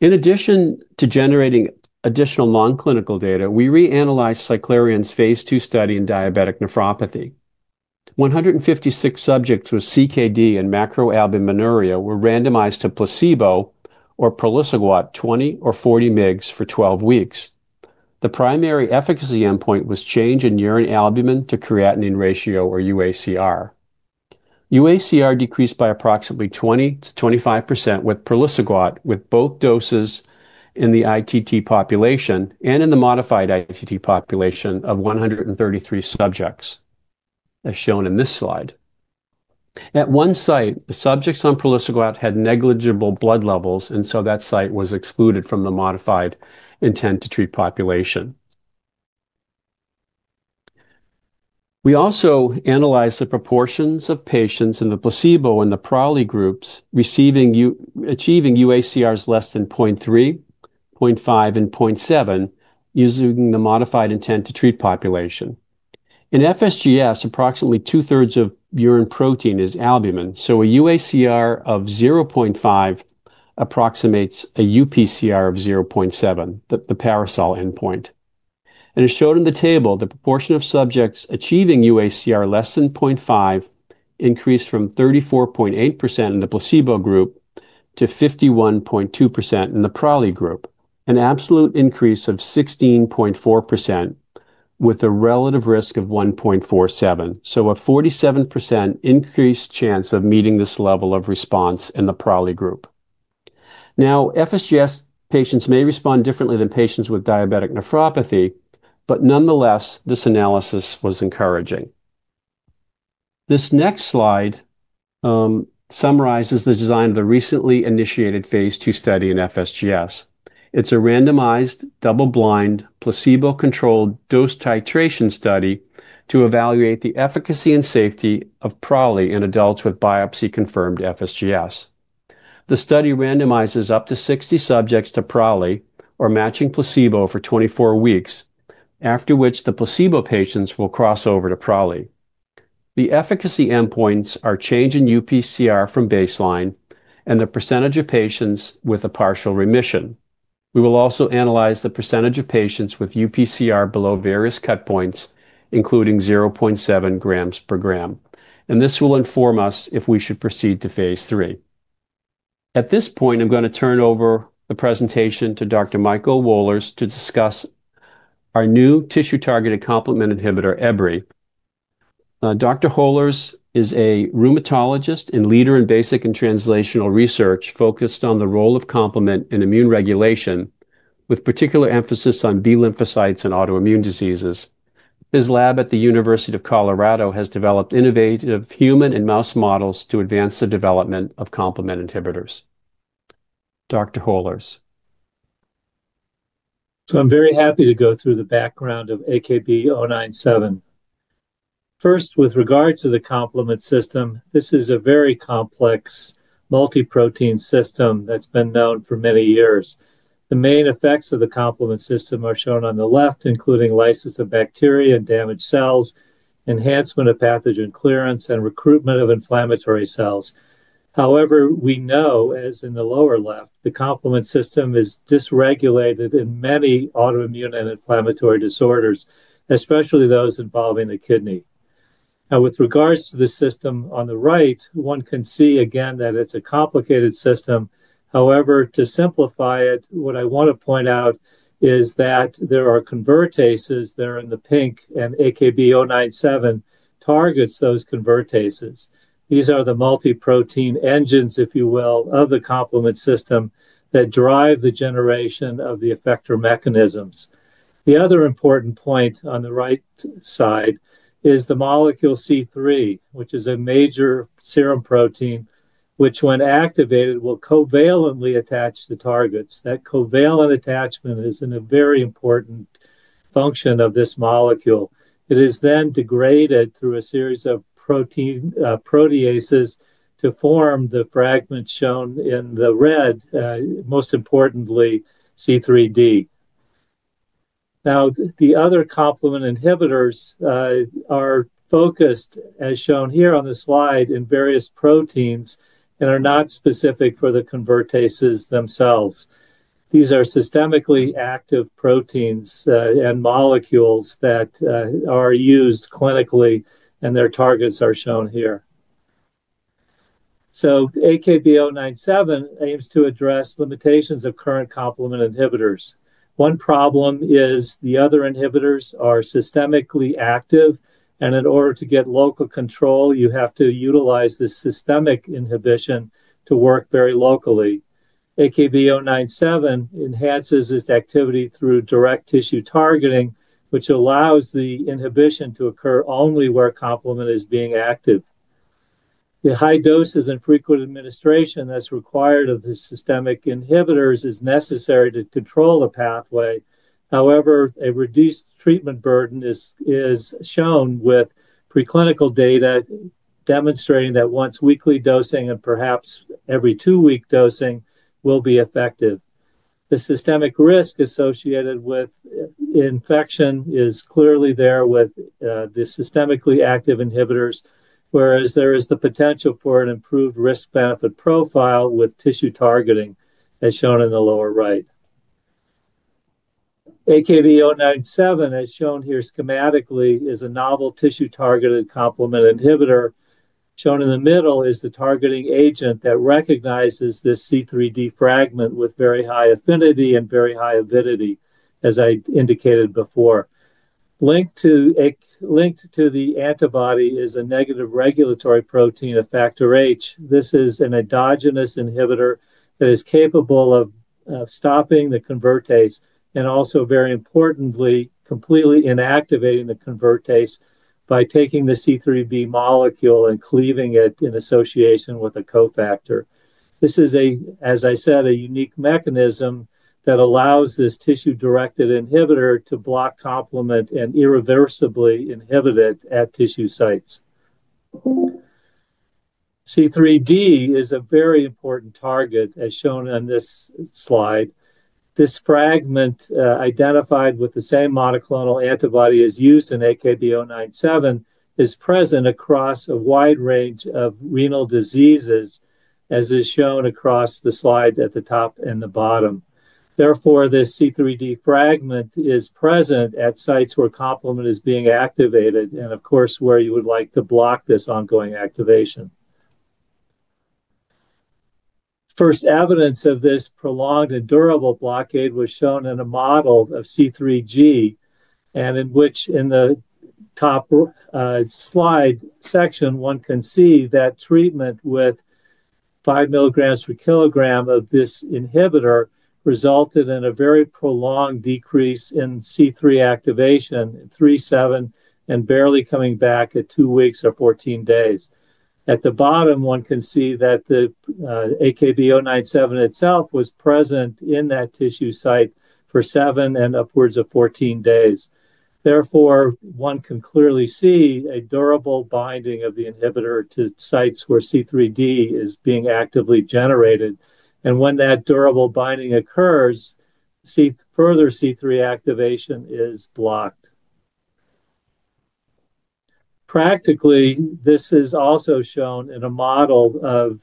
S5: In addition to generating additional non-clinical data, we reanalyzed Cyclerion's phase II study in diabetic nephropathy. 156 subjects with CKD and macroalbuminuria were randomized to placebo or praliciguat 20 mg or 40 mg for 12 weeks. The primary efficacy endpoint was change in urine albumin to creatinine ratio or UACR. UACR decreased by approximately 20%-25% with praliciguat, with both doses in the ITT population and in the modified ITT population of 133 subjects, as shown in this slide. At one site, the subjects on praliciguat had negligible blood levels, and so that site was excluded from the modified intent to treat population. We also analyzed the proportions of patients in the placebo and the praliciguat groups achieving UACRs less than 0.3 g, 0.5 g, and 0.7 g using the modified intent to treat population. In FSGS, approximately 2/3 of urine protein is albumin, so a UACR of 0.5 g approximates a UPCR of 0.7 g, the PARASOL endpoint. As shown in the table, the proportion of subjects achieving UACR less than 0.5 g increased from 34.8% in the placebo group to 51.2% in the praliciguat group, an absolute increase of 16.4% with a relative risk of 1.47 g. A 47% increased chance of meeting this level of response in the praliciguat group. Now, FSGS patients may respond differently than patients with diabetic nephropathy, but nonetheless, this analysis was encouraging. This next slide summarizes the design of the recently initiated phase II study in FSGS. It's a randomized double-blind placebo-controlled dose titration study to evaluate the efficacy and safety of praliciguat in adults with biopsy-confirmed FSGS. The study randomizes up to 60 subjects to praliciguat or matching placebo for 24 weeks, after which the placebo patients will cross over to praliciguat. The efficacy endpoints are change in UPCR from baseline and the percentage of patients with a partial remission. We will also analyze the percentage of patients with UPCR below various cut points, including 0.7 g/g. This will inform us if we should proceed to phase III. At this point, I'm gonna turn over the presentation to Dr. Michael Holers to discuss our new tissue-targeted complement inhibitor, AKB-097. Dr. Holers is a rheumatologist and leader in basic and translational research focused on the role of complement in immune regulation, with particular emphasis on B lymphocytes and autoimmune diseases. His lab at the University of Colorado has developed innovative human and mouse models to advance the development of complement inhibitors. Dr. Holers.
S6: I'm very happy to go through the background of AKB-097. First, with regards to the complement system, this is a very complex multi-protein system that's been known for many years. The main effects of the complement system are shown on the left, including lysis of bacteria and damaged cells, enhancement of pathogen clearance, and recruitment of inflammatory cells. However, we know, as in the lower left, the complement system is dysregulated in many autoimmune and inflammatory disorders, especially those involving the kidney. Now, with regards to the system on the right, one can see again that it's a complicated system. However, to simplify it, what I wanna point out is that there are convertases there in the pink, and AKB-097 targets those convertases. These are the multi-protein engines, if you will, of the complement system that drive the generation of the effector mechanisms. The other important point on the right side is the molecule C3, which is a major serum protein, which when activated, will covalently attach the targets. That covalent attachment is a very important function of this molecule. It is then degraded through a series of proteases to form the fragments shown in the red, most importantly, C3d. Now, the other complement inhibitors are focused, as shown here on the slide, in various proteins and are not specific for the convertases themselves. These are systemically active proteins and molecules that are used clinically, and their targets are shown here. AKB-097 aims to address limitations of current complement inhibitors. One problem is the other inhibitors are systemically active, and in order to get local control, you have to utilize the systemic inhibition to work very locally. AKB-097 enhances its activity through direct tissue targeting, which allows the inhibition to occur only where complement is being active. The high doses and frequent administration that's required of the systemic inhibitors is necessary to control the pathway. However, a reduced treatment burden is shown with preclinical data demonstrating that once-weekly dosing and perhaps every two-week dosing will be effective. The systemic risk associated with infection is clearly there with the systemically active inhibitors, whereas there is the potential for an improved risk-benefit profile with tissue targeting, as shown in the lower right. AKB-097, as shown here schematically, is a novel tissue-targeted complement inhibitor. Shown in the middle is the targeting agent that recognizes this C3d fragment with very high affinity and very high avidity, as I indicated before. Linked to the antibody is a negative regulatory protein, a factor H. This is an endogenous inhibitor that is capable of stopping the convertase and also, very importantly, completely inactivating the convertase by taking the C3b molecule and cleaving it in association with a cofactor. This is, as I said, a unique mechanism that allows this tissue-directed inhibitor to block complement and irreversibly inhibit it at tissue sites. C3d is a very important target, as shown on this slide. This fragment, identified with the same monoclonal antibody as used in AKB-097, is present across a wide range of renal diseases, as is shown across the slide at the top and the bottom. Therefore, this C3d fragment is present at sites where complement is being activated and, of course, where you would like to block this ongoing activation. First evidence of this prolonged and durable blockade was shown in a model of C3G, and in which in the top slide section, one can see that treatment with 5 mg/kg of this inhibitor resulted in a very prolonged decrease in C3 activation, 3 mg/kg, 7 mg/kg and barely coming back at two weeks or 14 days. At the bottom, one can see that the AKB-097 itself was present in that tissue site for 7 mg/kg and upwards of 14 days. Therefore, one can clearly see a durable binding of the inhibitor to sites where C3d is being actively generated. When that durable binding occurs, further C3 activation is blocked. Practically, this is also shown in a model of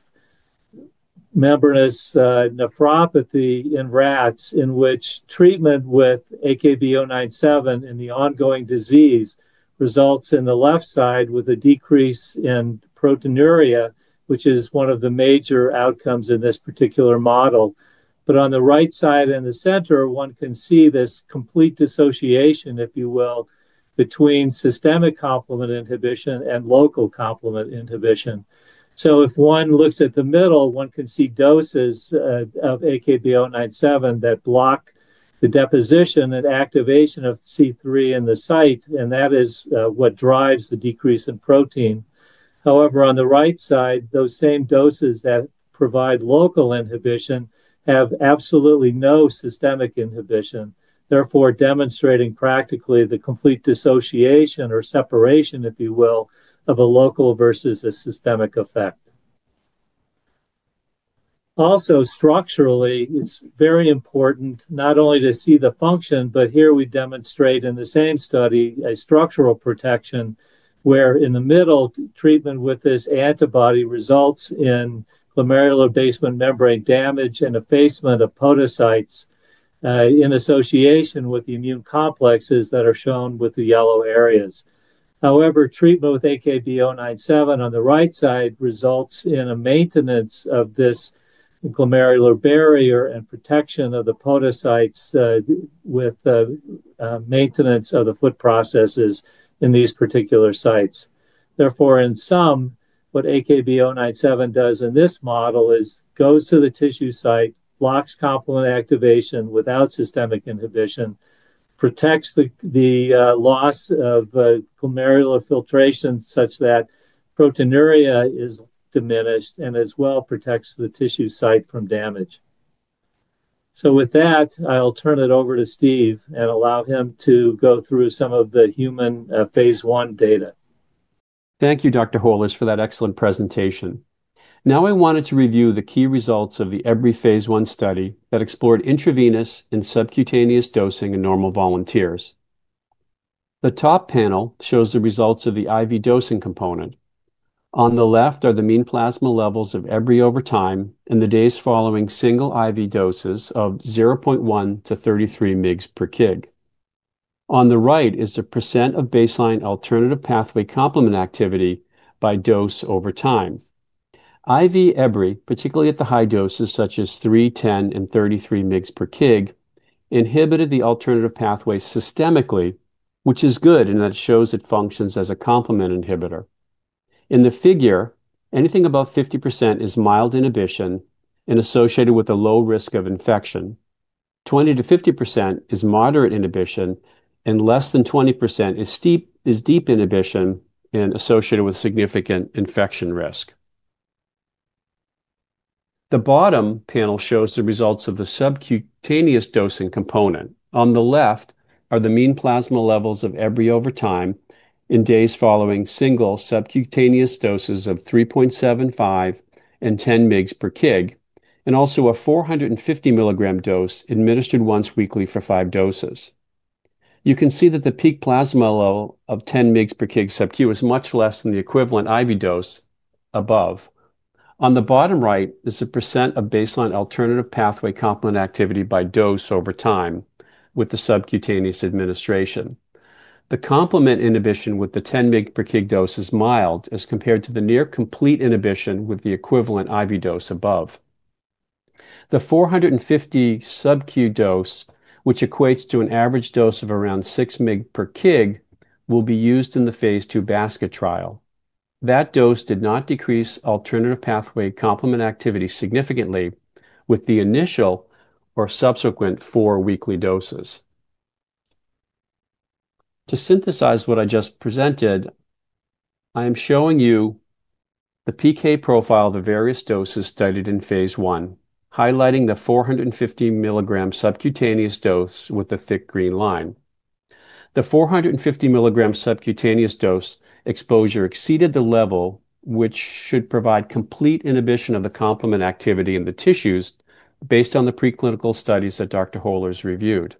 S6: membranous nephropathy in rats in which treatment with AKB-097 in the ongoing disease results in the left side with a decrease in proteinuria, which is one of the major outcomes in this particular model. On the right side and the center, one can see this complete dissociation, if you will, between systemic complement inhibition and local complement inhibition. If one looks at the middle, one can see doses of AKB-097 that block the deposition and activation of C3 in the site, and that is what drives the decrease in protein. However, on the right side, those same doses that provide local inhibition have absolutely no systemic inhibition, therefore demonstrating practically the complete dissociation or separation, if you will, of a local versus a systemic effect. Also structurally, it's very important not only to see the function, but here we demonstrate in the same study a structural protection where in the middle treatment with this antibody results in glomerular basement membrane damage and effacement of podocytes in association with the immune complexes that are shown with the yellow areas. However, treatment with AKB-097 on the right side results in a maintenance of this glomerular barrier and protection of the podocytes with the maintenance of the foot processes in these particular sites. Therefore, in sum, what AKB-097 does in this model is goes to the tissue site, blocks complement activation without systemic inhibition, protects the loss of glomerular filtration such that proteinuria is diminished and as well protects the tissue site from damage. With that, I'll turn it over to Steve and allow him to go through some of the human phase I data.
S5: Thank you, Dr. Holers, for that excellent presentation. Now I wanted to review the key results of the Ebri phase I study that explored intravenous and subcutaneous dosing in normal volunteers. The top panel shows the results of the IV dosing component. On the left are the mean plasma levels of Ebri over time in the days following single IV doses of 0.1 mg/kg to 33 mg/kg. On the right is the percent of baseline alternative pathway complement activity by dose over time. IV Ebri, particularly at the high doses such as 3 mg/kg, 10 mg/kg, and 33 mg/kg, inhibited the alternative pathway systemically, which is good, and that shows it functions as a complement inhibitor. In the figure, anything above 50% is mild inhibition and associated with a low risk of infection. 20%-50% is moderate inhibition, and less than 20% is deep inhibition and associated with significant infection risk. The bottom panel shows the results of the subcutaneous dosing component. On the left are the mean plasma levels of Ebri over time in days following single subcutaneous doses of 3.75 mg/kg and 10 mg/kg, and also a 450 mg dose administered once weekly for five doses. You can see that the peak plasma level of 10 mg/kg subQ is much less than the equivalent IV dose above. On the bottom right is the percent of baseline alternative pathway complement activity by dose over time with the subcutaneous administration. The complement inhibition with the 10 mg/kg dose is mild as compared to the near complete inhibition with the equivalent IV dose above. The 450 mg subQ dose, which equates to an average dose of around 6 mg/kg, will be used in the phase II basket trial. That dose did not decrease alternative pathway complement activity significantly with the initial or subsequent four weekly doses. To synthesize what I just presented, I am showing you the PK profile of the various doses studied in phase I, highlighting the 450 mg subcutaneous dose with the thick green line. The 450 mg subcutaneous dose exposure exceeded the level which should provide complete inhibition of the complement activity in the tissues based on the preclinical studies that Dr. Holers reviewed.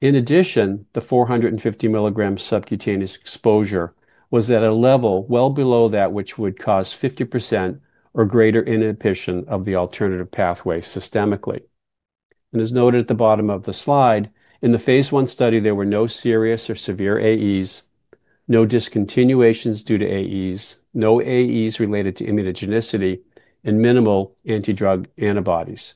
S5: In addition, the 450 mg subcutaneous exposure was at a level well below that which would cause 50% or greater inhibition of the alternative pathway systemically. As noted at the bottom of the slide, in the phase I study, there were no serious or severe AEs, no discontinuations due to AEs, no AEs related to immunogenicity, and minimal anti-drug antibodies.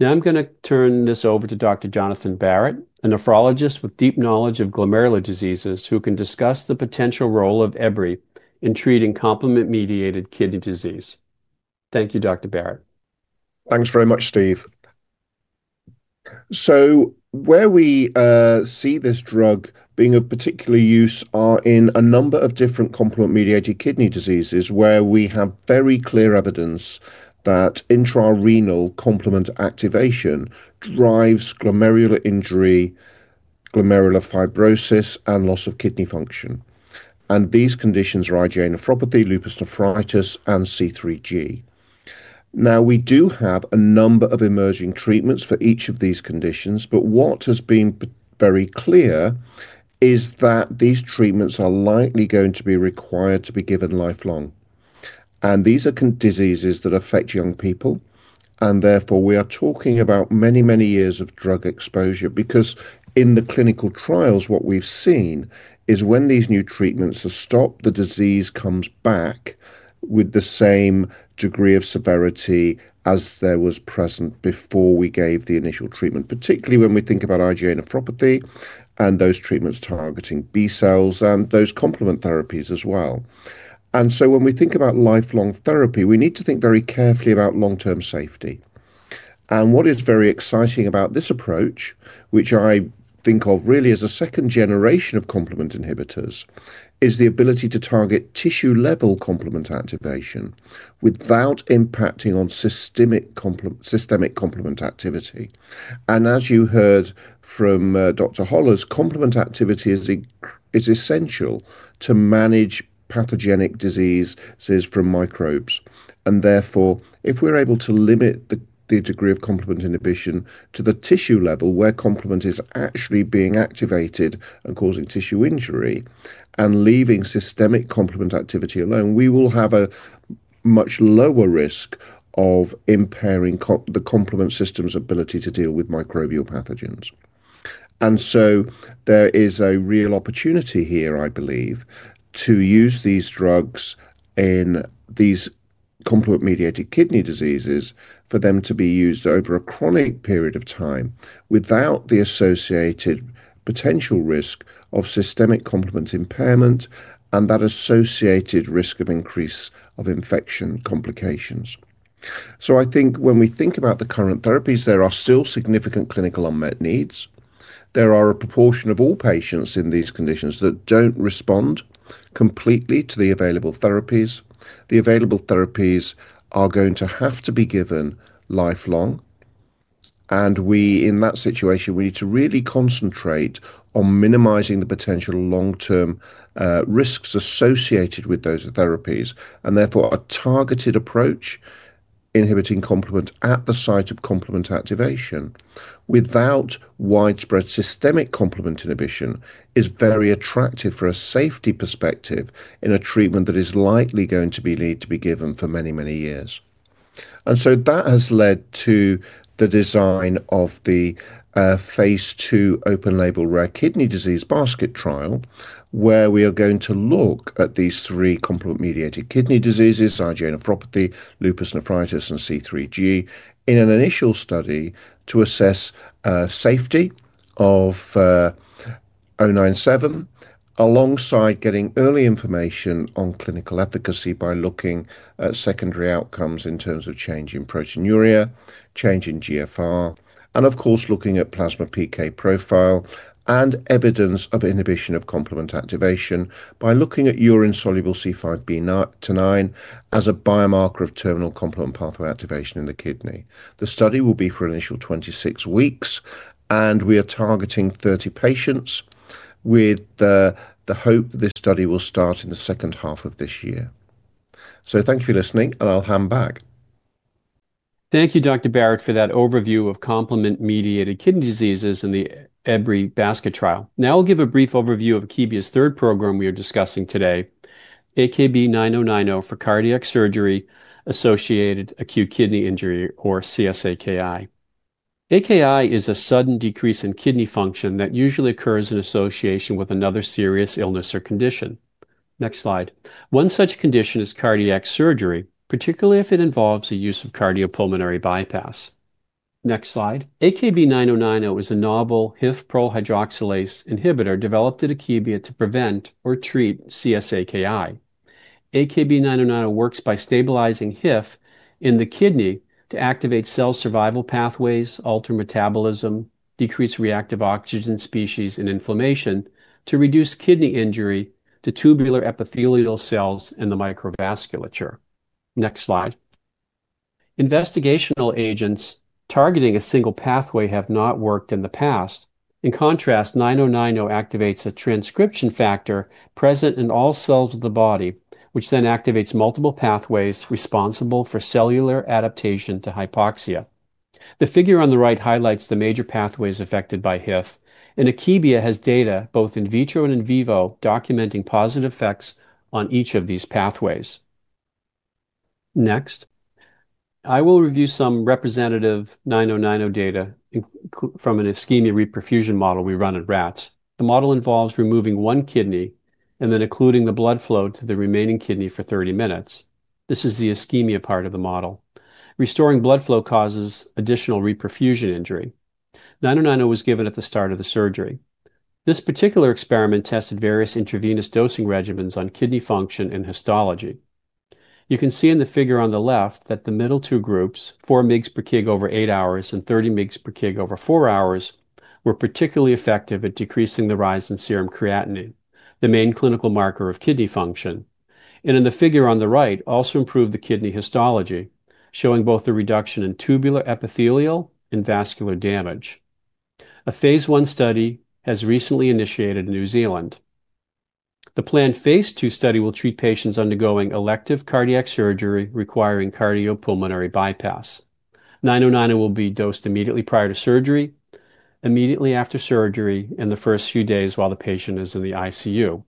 S5: Now I'm gonna turn this over to Dr. Jonathan Barratt, a nephrologist with deep knowledge of glomerular diseases, who can discuss the potential role of Ebri in treating complement-mediated kidney disease. Thank you, Dr. Barratt.
S7: Thanks very much, Steve. Where we see this drug being of particular use are in a number of different complement-mediated kidney diseases where we have very clear evidence that intra-renal complement activation drives glomerular injury, glomerular fibrosis, and loss of kidney function. These conditions are IgA nephropathy, lupus nephritis, and C3G. We do have a number of emerging treatments for each of these conditions, but what has been very clear is that these treatments are likely going to be required to be given lifelong. These are diseases that affect young people, and therefore, we are talking about many, many years of drug exposure. Because in the clinical trials, what we've seen is when these new treatments are stopped, the disease comes back with the same degree of severity as there was present before we gave the initial treatment, particularly when we think about IgA nephropathy and those treatments targeting B-cells and those complement therapies as well. When we think about lifelong therapy, we need to think very carefully about long-term safety. What is very exciting about this approach, which I think of really as a second generation of complement inhibitors, is the ability to target tissue-level complement activation without impacting on systemic complement activity. As you heard from Dr. Holers, complement activity is essential to manage pathogenic diseases from microbes. Therefore, if we're able to limit the degree of complement inhibition to the tissue level where complement is actually being activated and causing tissue injury and leaving systemic complement activity alone, we will have a much lower risk of impairing the complement system's ability to deal with microbial pathogens. There is a real opportunity here, I believe, to use these drugs in these complement-mediated kidney diseases for them to be used over a chronic period of time without the associated potential risk of systemic complement impairment and that associated risk of increase of infection complications. I think when we think about the current therapies, there are still significant clinical unmet needs. There are a proportion of all patients in these conditions that don't respond completely to the available therapies. The available therapies are going to have to be given lifelong. In that situation, we need to really concentrate on minimizing the potential long-term risks associated with those therapies, and therefore, a targeted approach inhibiting complement at the site of complement activation without widespread systemic complement inhibition is very attractive for a safety perspective in a treatment that is likely going to be need to be given for many, many years. That has led to the design of the phase II open-label rare kidney disease basket trial, where we are going to look at these three complement-mediated kidney diseases, IgA nephropathy, lupus nephritis, and C3G, in an initial study to assess safety of AKB-097 alongside getting early information on clinical efficacy by looking at secondary outcomes in terms of change in proteinuria, change in GFR, and of course, looking at plasma PK profile and evidence of inhibition of complement activation by looking at urine soluble C5b-9 as a biomarker of terminal complement pathway activation in the kidney. The study will be for an initial 26 weeks, and we are targeting 30 patients with the hope that this study will start in the second half of this year. Thank you for listening, and I'll hand back.
S5: Thank you, Dr. Barratt, for that overview of complement-mediated kidney diseases in the Ebri basket trial. Now I'll give a brief overview of Akebia's third program we are discussing today, AKB-9090 for cardiac surgery-associated acute kidney injury or CSA-AKI. AKI is a sudden decrease in kidney function that usually occurs in association with another serious illness or condition. Next slide. One such condition is cardiac surgery, particularly if it involves the use of cardiopulmonary bypass. Next slide. AKB-9090 is a novel HIF prolyl hydroxylase inhibitor developed at Akebia to prevent or treat CSA-AKI. AKB-9090 works by stabilizing HIF in the kidney to activate cell survival pathways, alter metabolism, decrease reactive oxygen species and inflammation to reduce kidney injury to tubular epithelial cells in the microvasculature. Next slide. Investigational agents targeting a single pathway have not worked in the past. In contrast, AKB-9090 activates a transcription factor present in all cells of the body, which then activates multiple pathways responsible for cellular adaptation to hypoxia. The figure on the right highlights the major pathways affected by HIF, and Akebia has data both in vitro and in vivo documenting positive effects on each of these pathways. Next, I will review some representative AKB-9090 data from an ischemia reperfusion model we run in rats. The model involves removing one kidney and then occluding the blood flow to the remaining kidney for 30 minutes. This is the ischemia part of the model. Restoring blood flow causes additional reperfusion injury. AKB-9090 was given at the start of the surgery. This particular experiment tested various intravenous dosing regimens on kidney function and histology. You can see in the figure on the left that the middle two groups, 4 mg/kg over eight hours and 30 mg/kg over four hours, were particularly effective at decreasing the rise in serum creatinine, the main clinical marker of kidney function. In the figure on the right, also improved the kidney histology, showing both the reduction in tubular epithelial and vascular damage. A phase I study has recently initiated in New Zealand. The planned phase II study will treat patients undergoing elective cardiac surgery requiring cardiopulmonary bypass. AKB-9090 will be dosed immediately prior to surgery, immediately after surgery, and the first few days while the patient is in the ICU.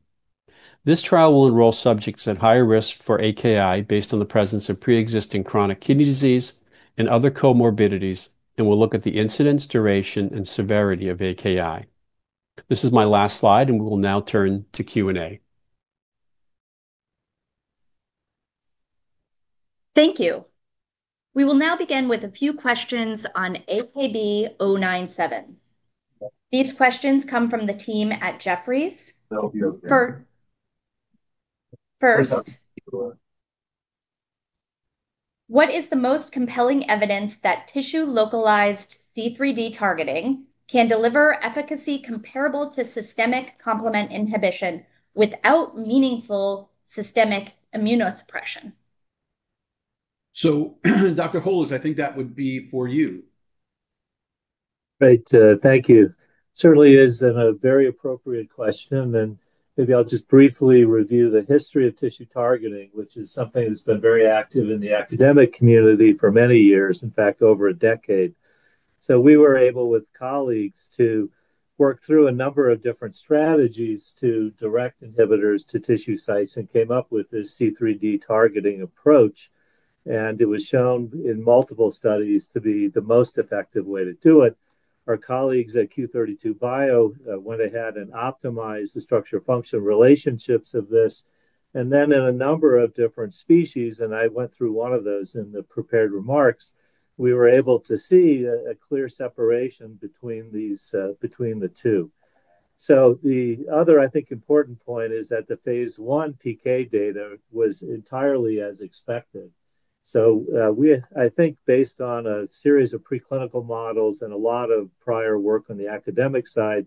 S5: This trial will enroll subjects at higher risk for AKI based on the presence of preexisting chronic kidney disease and other comorbidities, and we'll look at the incidence, duration, and severity of AKI. This is my last slide, and we will now turn to Q&A.
S2: Thank you. We will now begin with a few questions on AKB-097. These questions come from the team at Jefferies. First, what is the most compelling evidence that tissue localized C3d targeting can deliver efficacy comparable to systemic complement inhibition without meaningful systemic immunosuppression?
S3: Dr. Holers, I think that would be for you.
S6: Great, thank you. This certainly is a very appropriate question, and maybe I'll just briefly review the history of tissue targeting, which is something that's been very active in the academic community for many years. In fact, over a decade. We were able, with colleagues, to work through a number of different strategies to direct inhibitors to tissue sites and came up with this C3d targeting approach, and it was shown in multiple studies to be the most effective way to do it. Our colleagues at Q32 Bio went ahead and optimized the structure-function relationships of this. In a number of different species, and I went through one of those in the prepared remarks, we were able to see a clear separation between these, between the two. The other, I think, important point is that the phase I PK data was entirely as expected. I think based on a series of preclinical models and a lot of prior work on the academic side,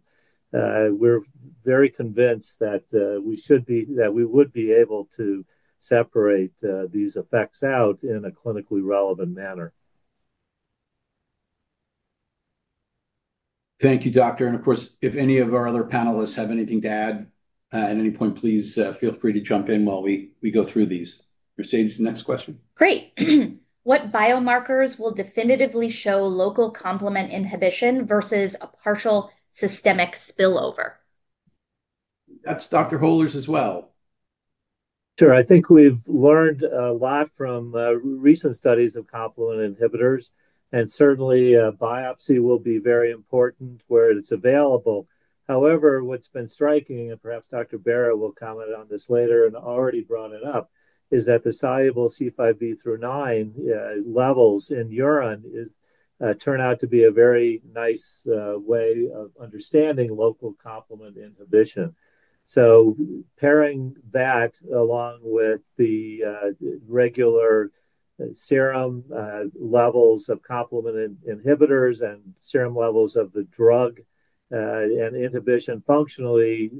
S6: we're very convinced that we would be able to separate these effects out in a clinically relevant manner.
S3: Thank you, doctor. Of course, if any of our other panelists have anything to add, at any point, please, feel free to jump in while we go through these. Mercedes, next question.
S2: Great. What biomarkers will definitively show local complement inhibition versus a partial systemic spillover?
S3: That's Dr. Holers as well.
S6: Sure. I think we've learned a lot from recent studies of complement inhibitors, and certainly a biopsy will be very important where it's available. However, what's been striking, and perhaps Dr. Barratt will comment on this later and already brought it up, is that the soluble C5b-9 levels in urine turn out to be a very nice way of understanding local complement inhibition. Pairing that along with the regular serum levels of complement inhibitors and serum levels of the drug, and inhibition functionally,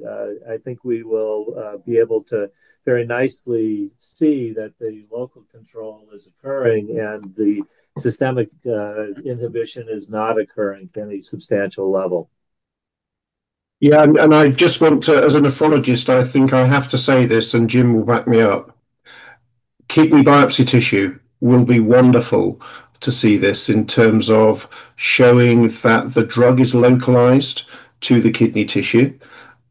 S6: I think we will be able to very nicely see that the local control is occurring and the systemic inhibition is not occurring to any substantial level.
S7: As a nephrologist, I think I have to say this, and Jim will back me up. Kidney biopsy tissue will be wonderful to see this in terms of showing that the drug is localized to the kidney tissue,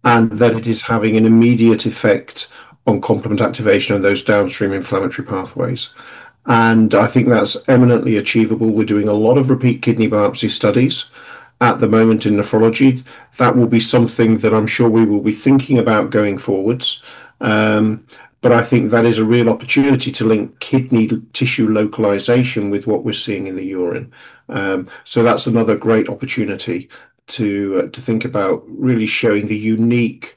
S7: and that it is having an immediate effect on complement activation and those downstream inflammatory pathways. I think that's eminently achievable. We're doing a lot of repeat kidney biopsy studies at the moment in nephrology. That will be something that I'm sure we will be thinking about going forwards. But I think that is a real opportunity to link kidney tissue localization with what we're seeing in the urine. That's another great opportunity to think about really showing the unique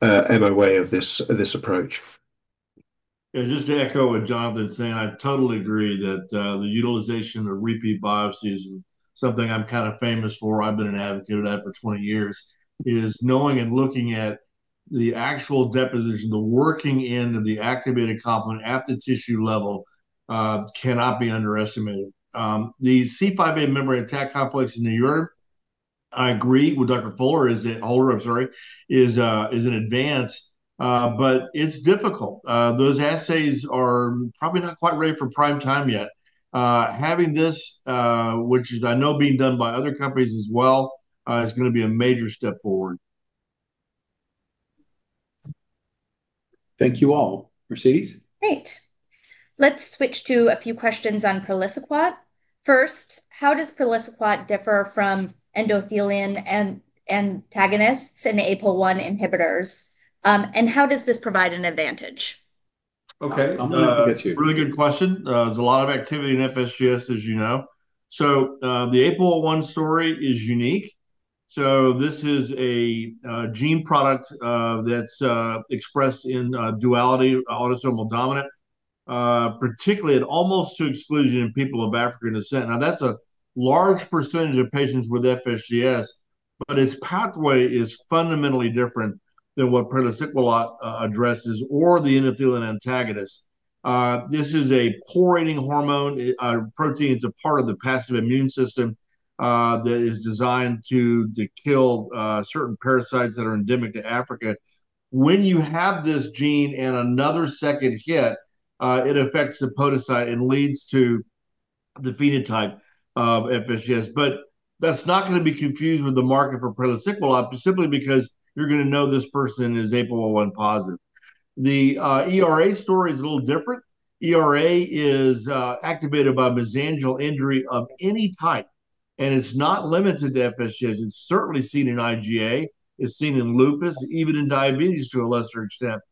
S7: MOA of this approach.
S4: Yeah. Just to echo what Jonathan's saying, I totally agree that the utilization of repeat biopsies is something I'm kind of famous for. I've been an advocate of that for 20 years, is knowing and looking at the actual deposition. The working end of the activated complement at the tissue level cannot be underestimated. The C5b-9 membrane attack complex in the urine, I agree with Dr. Holers is an advance, but it's difficult. Those assays are probably not quite ready for prime time yet. Having this, which is I know being done by other companies as well, is gonna be a major step forward.
S3: Thank you all. Mercedes?
S2: Great. Let's switch to a few questions on praliciguat. First, how does praliciguat differ from endothelin antagonists and APOL1 inhibitors? How does this provide an advantage?
S4: Okay.
S3: I'm gonna get you.
S4: Really good question. There's a lot of activity in FSGS, as you know. The APOL1 story is unique. This is a gene product that's expressed in a duality, autosomal dominant, particularly and almost to exclusion in people of African descent. That's a large percentage of patients with FSGS, but its pathway is fundamentally different than what praliciguat addresses or the endothelin antagonist. This is a pore-forming protein. It's a part of the innate immune system that is designed to kill certain parasites that are endemic to Africa. When you have this gene and another second hit, it affects the podocyte and leads to the phenotype of FSGS. That's not gonna be confused with the market for praliciguat just simply because you're gonna know this person is APOL1 positive. The ERA story is a little different. ERA is activated by mesangial injury of any type, and it's not limited to FSGS. It's certainly seen in IgA, it's seen in lupus, even in diabetes to a lesser extent.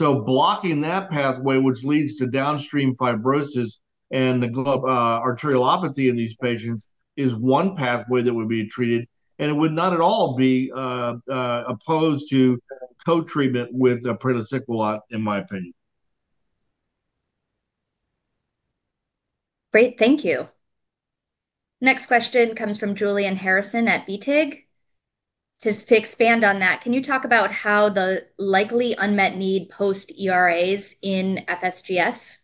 S4: Blocking that pathway, which leads to downstream fibrosis and the arteriolopathy in these patients, is one pathway that would be treated, and it would not at all be opposed to co-treatment with the praliciguat, in my opinion.
S2: Great. Thank you. Next question comes from Julian Harrison at BTIG. Just to expand on that, can you talk about how the likely unmet need post ERAs in FSGS?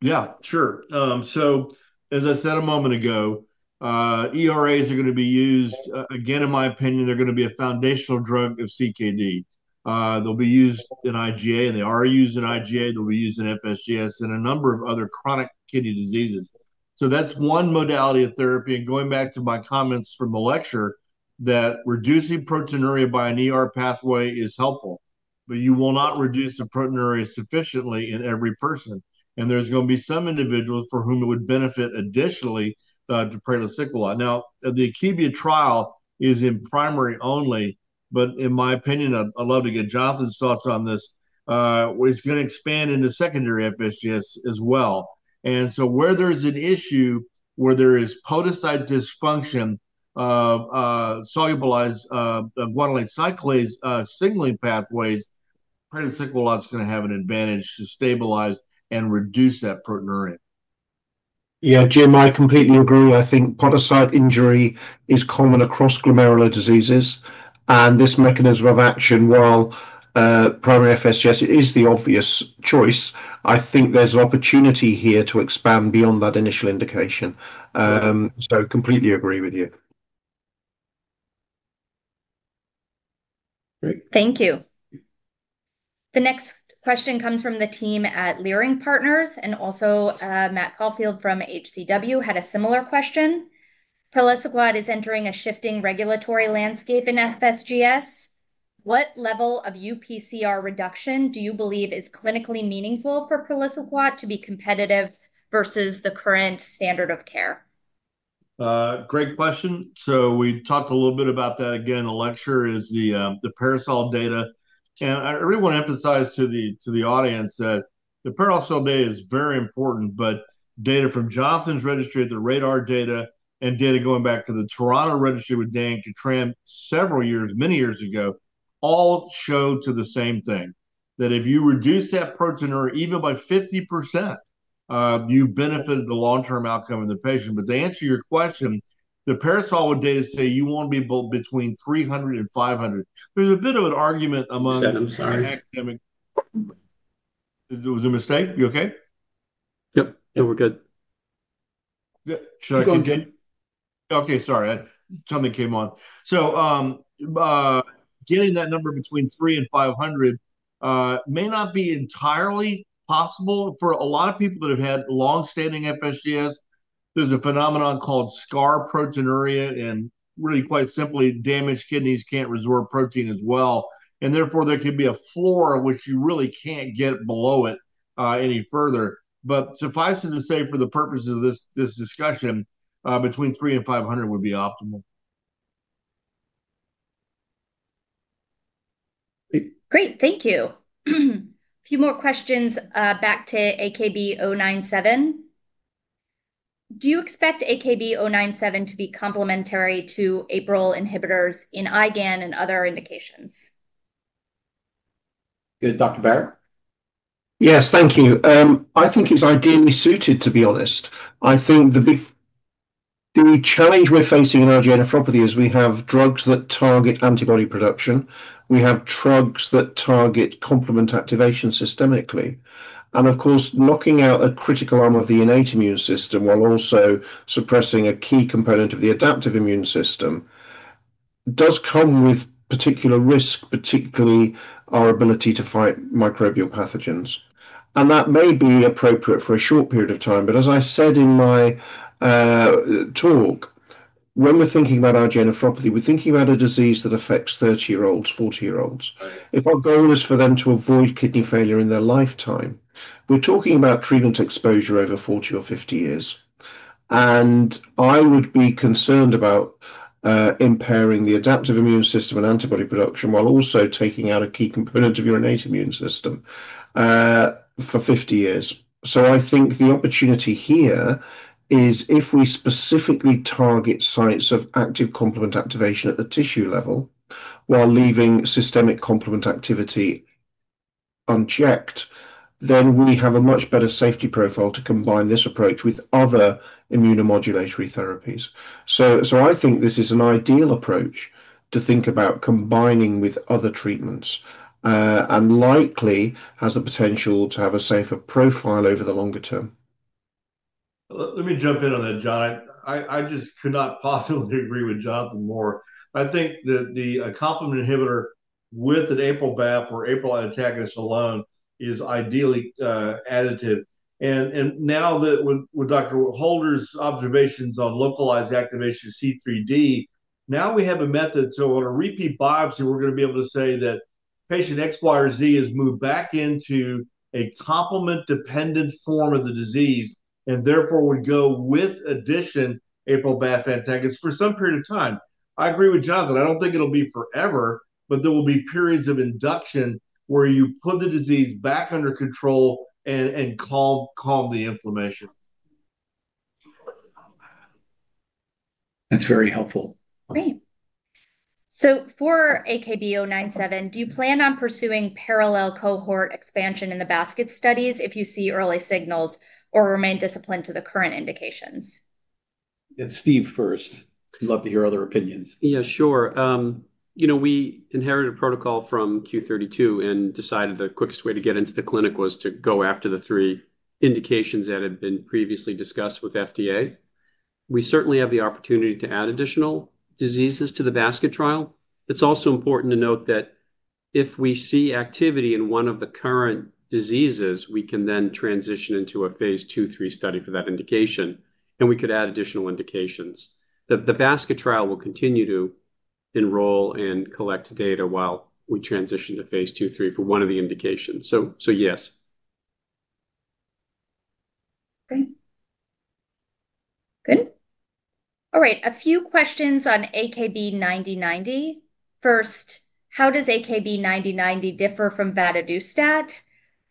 S4: Yeah, sure. As I said a moment ago, ERAs are gonna be used. Again, in my opinion, they're gonna be a foundational drug of CKD. They'll be used in IgA. They are used in IgA. They'll be used in FSGS and a number of other chronic kidney diseases. That's one modality of therapy. Going back to my comments from the lecture, that reducing proteinuria by an ERA pathway is helpful. You will not reduce the proteinuria sufficiently in every person, and there's gonna be some individuals for whom it would benefit additionally to praliciguat. Now, the Akebia trial is in primary only, but in my opinion, I'd love to get Jonathan's thoughts on this. It's gonna expand into secondary FSGS as well. Where there is podocyte dysfunction of soluble guanylate cyclase signaling pathways, praliciguat's gonna have an advantage to stabilize and reduce that proteinuria.
S7: Yeah. Jim, I completely agree. I think podocyte injury is common across glomerular diseases, and this mechanism of action, while primary FSGS is the obvious choice, I think there's an opportunity here to expand beyond that initial indication. Completely agree with you.
S3: Great.
S2: Thank you. The next question comes from the team at Leerink Partners, and also, Matt Caufield from HCW had a similar question. Praliciguat is entering a shifting regulatory landscape in FSGS. What level of UPCR reduction do you believe is clinically meaningful for praliciguat to be competitive versus the current standard of care?
S4: Great question. We talked a little bit about that again in the lecture, the PARASOL data. I really want to emphasize to the audience that the PARASOL data is very important, but data from Jonathan's registry, the RaDaR data, and data going back to the Toronto registry with Dan Cattran several years, many years ago, all point to the same thing. That if you reduce that proteinuria even by 50%, you benefited the long-term outcome of the patient. To answer your question, the PARASOL data say you want to be between 300 mg and 500 mg. There's a bit of an argument among-
S3: Steve, I'm sorry.
S4: There was a mistake? You okay?
S3: Yep. Yeah, we're good.
S4: Good. Should I continue?
S3: Go ahead.
S4: Getting that number between 300 mg and 500 mg may not be entirely possible for a lot of people that have had long-standing FSGS. There's a phenomenon called scar proteinuria, and really quite simply, damaged kidneys can't resorb protein as well, and therefore there can be a floor at which you really can't get below it any further. Suffice it to say for the purposes of this discussion, between 300 mg and 500 mg would be optimal.
S3: Great.
S2: Great. Thank you. A few more questions, back to AKB-097. Do you expect AKB-097 to be complementary to APRIL inhibitors in IgAN and other indications?
S3: Good. Dr. Barratt?
S7: Yes. Thank you. I think it's ideally suited, to be honest. I think the big challenge we're facing in IgA nephropathy is we have drugs that target antibody production. We have drugs that target complement activation systemically. Of course, knocking out a critical arm of the innate immune system while also suppressing a key component of the adaptive immune system does come with particular risk, particularly our ability to fight microbial pathogens. That may be appropriate for a short period of time. As I said in my talk, when we're thinking about IgA nephropathy, we're thinking about a disease that affects 30-year-olds, 40-year-olds. If our goal is for them to avoid kidney failure in their lifetime, we're talking about treatment exposure over 40 or 50 years. I would be concerned about impairing the adaptive immune system and antibody production while also taking out a key component of your innate immune system for 50 years. I think the opportunity here is if we specifically target sites of active complement activation at the tissue level while leaving systemic complement activity unchecked, then we have a much better safety profile to combine this approach with other immunomodulatory therapies. I think this is an ideal approach to think about combining with other treatments, and likely has the potential to have a safer profile over the longer term.
S4: Let me jump in on that, John. I just could not possibly agree with Jonathan more. I think the complement inhibitor with an APRIL/BAFF or APRIL antagonist alone is ideally additive. Now that, with Dr. Morgan's observations on localized activation of C3d, now we have a method. On a repeat biopsy, we're gonna be able to say that patient X, Y, or Z has moved back into a complement-dependent form of the disease, and therefore would go with addition APRIL/BAFF antagonist for some period of time. I agree with Jonathan. I don't think it'll be forever, but there will be periods of induction where you put the disease back under control and calm the inflammation.
S3: That's very helpful.
S2: Great. For AKB-097, do you plan on pursuing parallel cohort expansion in the basket studies if you see early signals or remain disciplined to the current indications?
S3: Yeah, Steve first. Love to hear other opinions.
S5: Yeah, sure. You know, we inherited a protocol from Q32 Bio and decided the quickest way to get into the clinic was to go after the three indications that had been previously discussed with FDA. We certainly have the opportunity to add additional diseases to the basket trial. It's also important to note that if we see activity in one of the current diseases, we can then transition into a phase II/III study for that indication, and we could add additional indications. The basket trial will continue to enroll and collect data while we transition to phase II/III for one of the indications. Yes.
S2: Okay. Good. All right. A few questions on AKB-9090. First, how does AKB-9090 differ from vadadustat?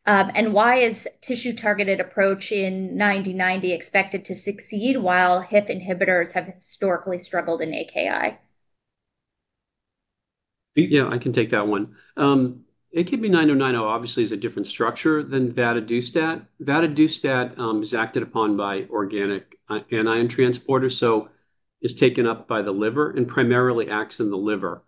S2: Why is tissue-targeted approach in ninety ninety expected to succeed while HIF inhibitors have historically struggled in AKI?
S5: Yeah, I can take that one. AKB-9090 obviously is a different structure than vadadustat. Vadadustat is acted upon by organic anion transporter, so is taken up by the liver and primarily acts in the liver.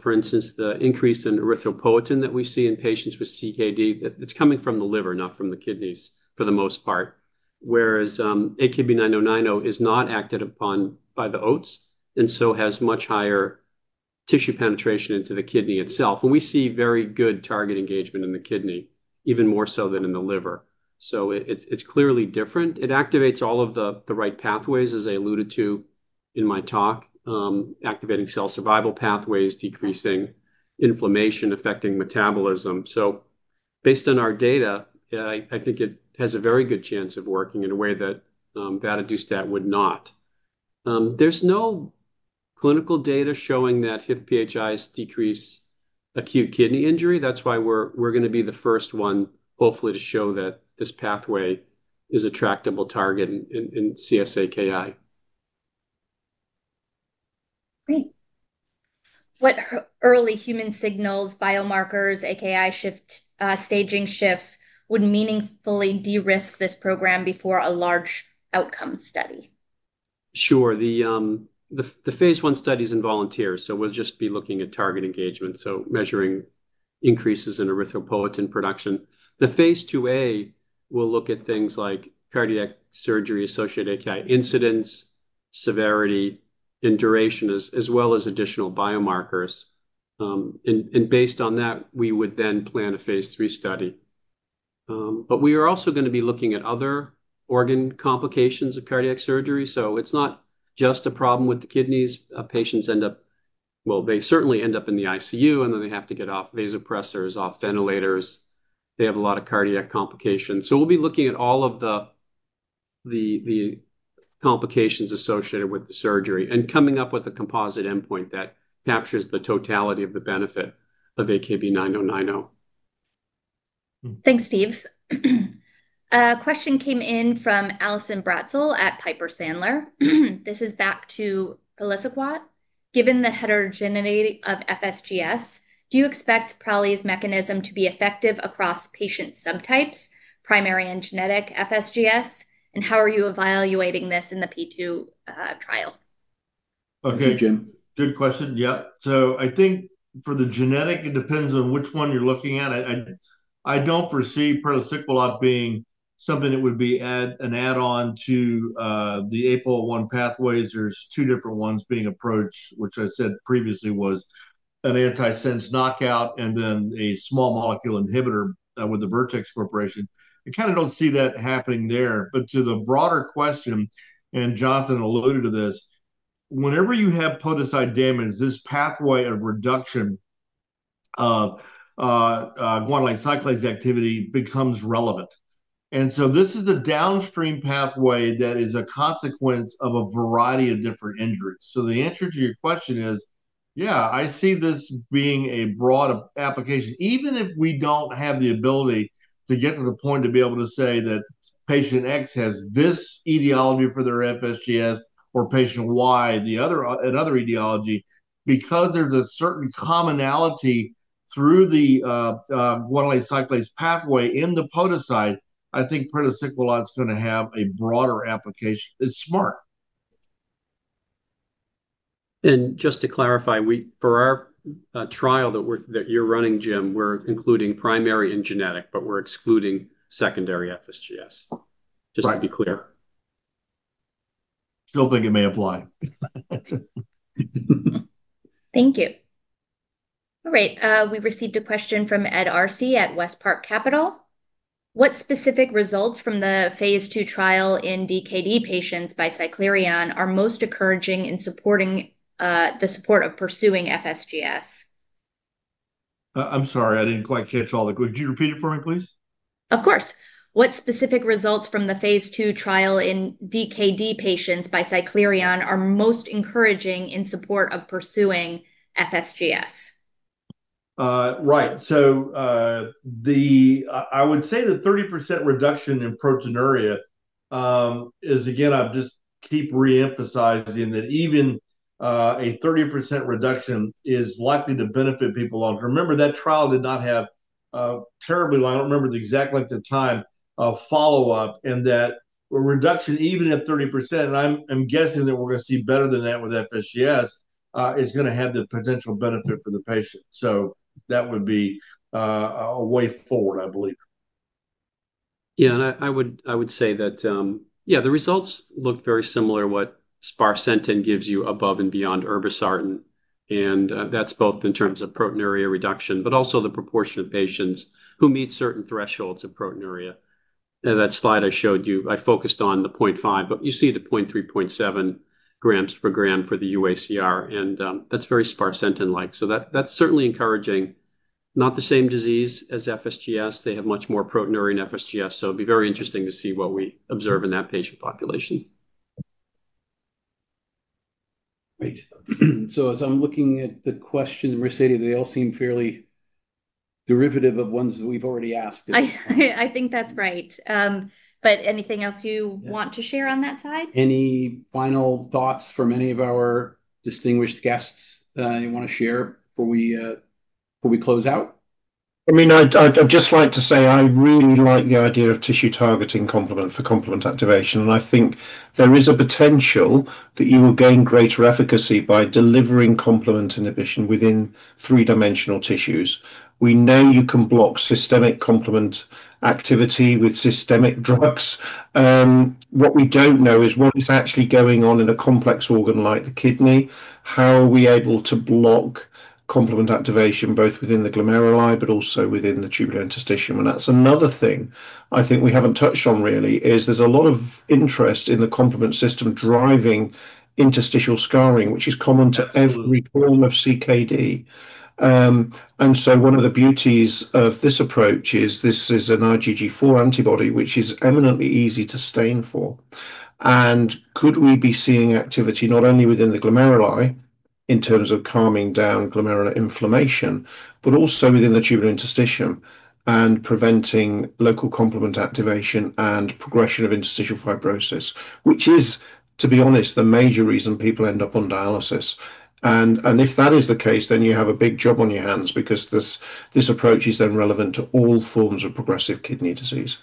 S5: For instance, the increase in erythropoietin that we see in patients with CKD, it's coming from the liver, not from the kidneys for the most part. Whereas, AKB-9090 is not acted upon by the OATs, and so has much higher tissue penetration into the kidney itself. We see very good target engagement in the kidney, even more so than in the liver. It's clearly different. It activates all of the right pathways, as I alluded to in my talk, activating cell survival pathways, decreasing inflammation, affecting metabolism. Based on our data, yeah, I think it has a very good chance of working in a way that vadadustat would not. There's no clinical data showing that HIF-PHIs decrease acute kidney injury. That's why we're gonna be the first one, hopefully, to show that this pathway is attractive target in CSA-AKI.
S2: Great. What early human signals, biomarkers, AKI shift, staging shifts would meaningfully de-risk this program before a large outcome study?
S5: Sure. The phase I study's in volunteers, so we'll just be looking at target engagement, so measuring increases in erythropoietin production. The phase IIa will look at things like cardiac surgery-associated AKI incidence, severity, and duration as well as additional biomarkers. Based on that, we would then plan a phase III study. We are also gonna be looking at other organ complications of cardiac surgery. It's not just a problem with the kidneys. Patients end up. Well, they certainly end up in the ICU, and then they have to get off vasopressors, off ventilators. They have a lot of cardiac complications. We'll be looking at all of the complications associated with the surgery and coming up with a composite endpoint that captures the totality of the benefit of AKB-9090.
S2: Thanks, Steve. A question came in from Allison Bratzel at Piper Sandler. This is back to praliciguat. Given the heterogeneity of FSGS, do you expect praliciguat's mechanism to be effective across patient subtypes, primary and genetic FSGS? How are you evaluating this in the phase II trial?
S4: Okay.
S5: Jim.
S4: Good question. Yeah. I think for the genetic, it depends on which one you're looking at. I don't foresee praliciguat being something that would be an add-on to the APOL1 pathways. There's two different ones being approached, which I said previously was an antisense knockout and then a small molecule inhibitor with Vertex Pharmaceuticals. I kinda don't see that happening there. To the broader question, Jonathan alluded to this, whenever you have podocyte damage, this pathway of reduction of guanylate cyclase activity becomes relevant. This is the downstream pathway that is a consequence of a variety of different injuries. The answer to your question is, yeah, I see this being a broad application. Even if we don't have the ability to get to the point to be able to say that patient X has this etiology for their FSGS or patient Y the other, another etiology, because there's a certain commonality through the guanylate cyclase pathway in the podocyte, I think praliciguat's gonna have a broader application. It's smart.
S5: Just to clarify, for our trial that you're running, Jim, we're including primary and genetic, but we're excluding secondary FSGS.
S4: Right.
S5: Just to be clear.
S4: Still think it may apply.
S2: Thank you. All right, we've received a question from Ed Arce at WestPark Capital. What specific results from the phase II trial in DKD patients by Cyclerion are most encouraging in support of pursuing FSGS?
S4: I'm sorry, I didn't quite catch all that. Could you repeat it for me, please?
S2: Of course. What specific results from the phase II trial in DKD patients by Cyclerion are most encouraging in support of pursuing FSGS?
S4: I would say the 30% reduction in proteinuria is again, I just keep re-emphasizing that even a 30% reduction is likely to benefit people longer. Remember, that trial did not have a terribly long, I don't remember the exact length of time of follow-up, and that a reduction even at 30%, and I'm guessing that we're gonna see better than that with FSGS, is gonna have the potential benefit for the patient. That would be a way forward, I believe.
S5: Yeah, I would say that, yeah, the results look very similar to what sparsentan gives you above and beyond irbesartan, and that's both in terms of proteinuria reduction, but also the proportion of patients who meet certain thresholds of proteinuria. In that slide I showed you, I focused on the 0.5 g/g, but you see the 0.3 g/g, 0.7 g/g for the UACR, and that's very sparsentan-like. That's certainly encouraging. Not the same disease as FSGS. They have much more proteinuria in FSGS, so it'll be very interesting to see what we observe in that patient population.
S3: Great. As I'm looking at the questions, Mercedes, they all seem fairly derivative of ones that we've already asked.
S2: I think that's right. But anything else you want to share on that side?
S3: Any final thoughts from any of our distinguished guests that you wanna share before we close out?
S7: I mean, I'd just like to say I really like the idea of tissue-targeted complement for complement activation, and I think there is a potential that you will gain greater efficacy by delivering complement inhibition within three-dimensional tissues. We know you can block systemic complement activity with systemic drugs. What we don't know is what is actually going on in a complex organ like the kidney. How are we able to block complement activation both within the glomeruli but also within the tubular interstitium? That's another thing I think we haven't touched on really, is there's a lot of interest in the complement system driving interstitial scarring, which is common to every form of CKD. One of the beauties of this approach is this is an IgG4 antibody, which is eminently easy to stain for. Could we be seeing activity not only within the glomeruli in terms of calming down glomerular inflammation, but also within the tubulointerstitium and preventing local complement activation and progression of interstitial fibrosis, which is, to be honest, the major reason people end up on dialysis. If that is the case, then you have a big job on your hands because this approach is then relevant to all forms of progressive kidney disease.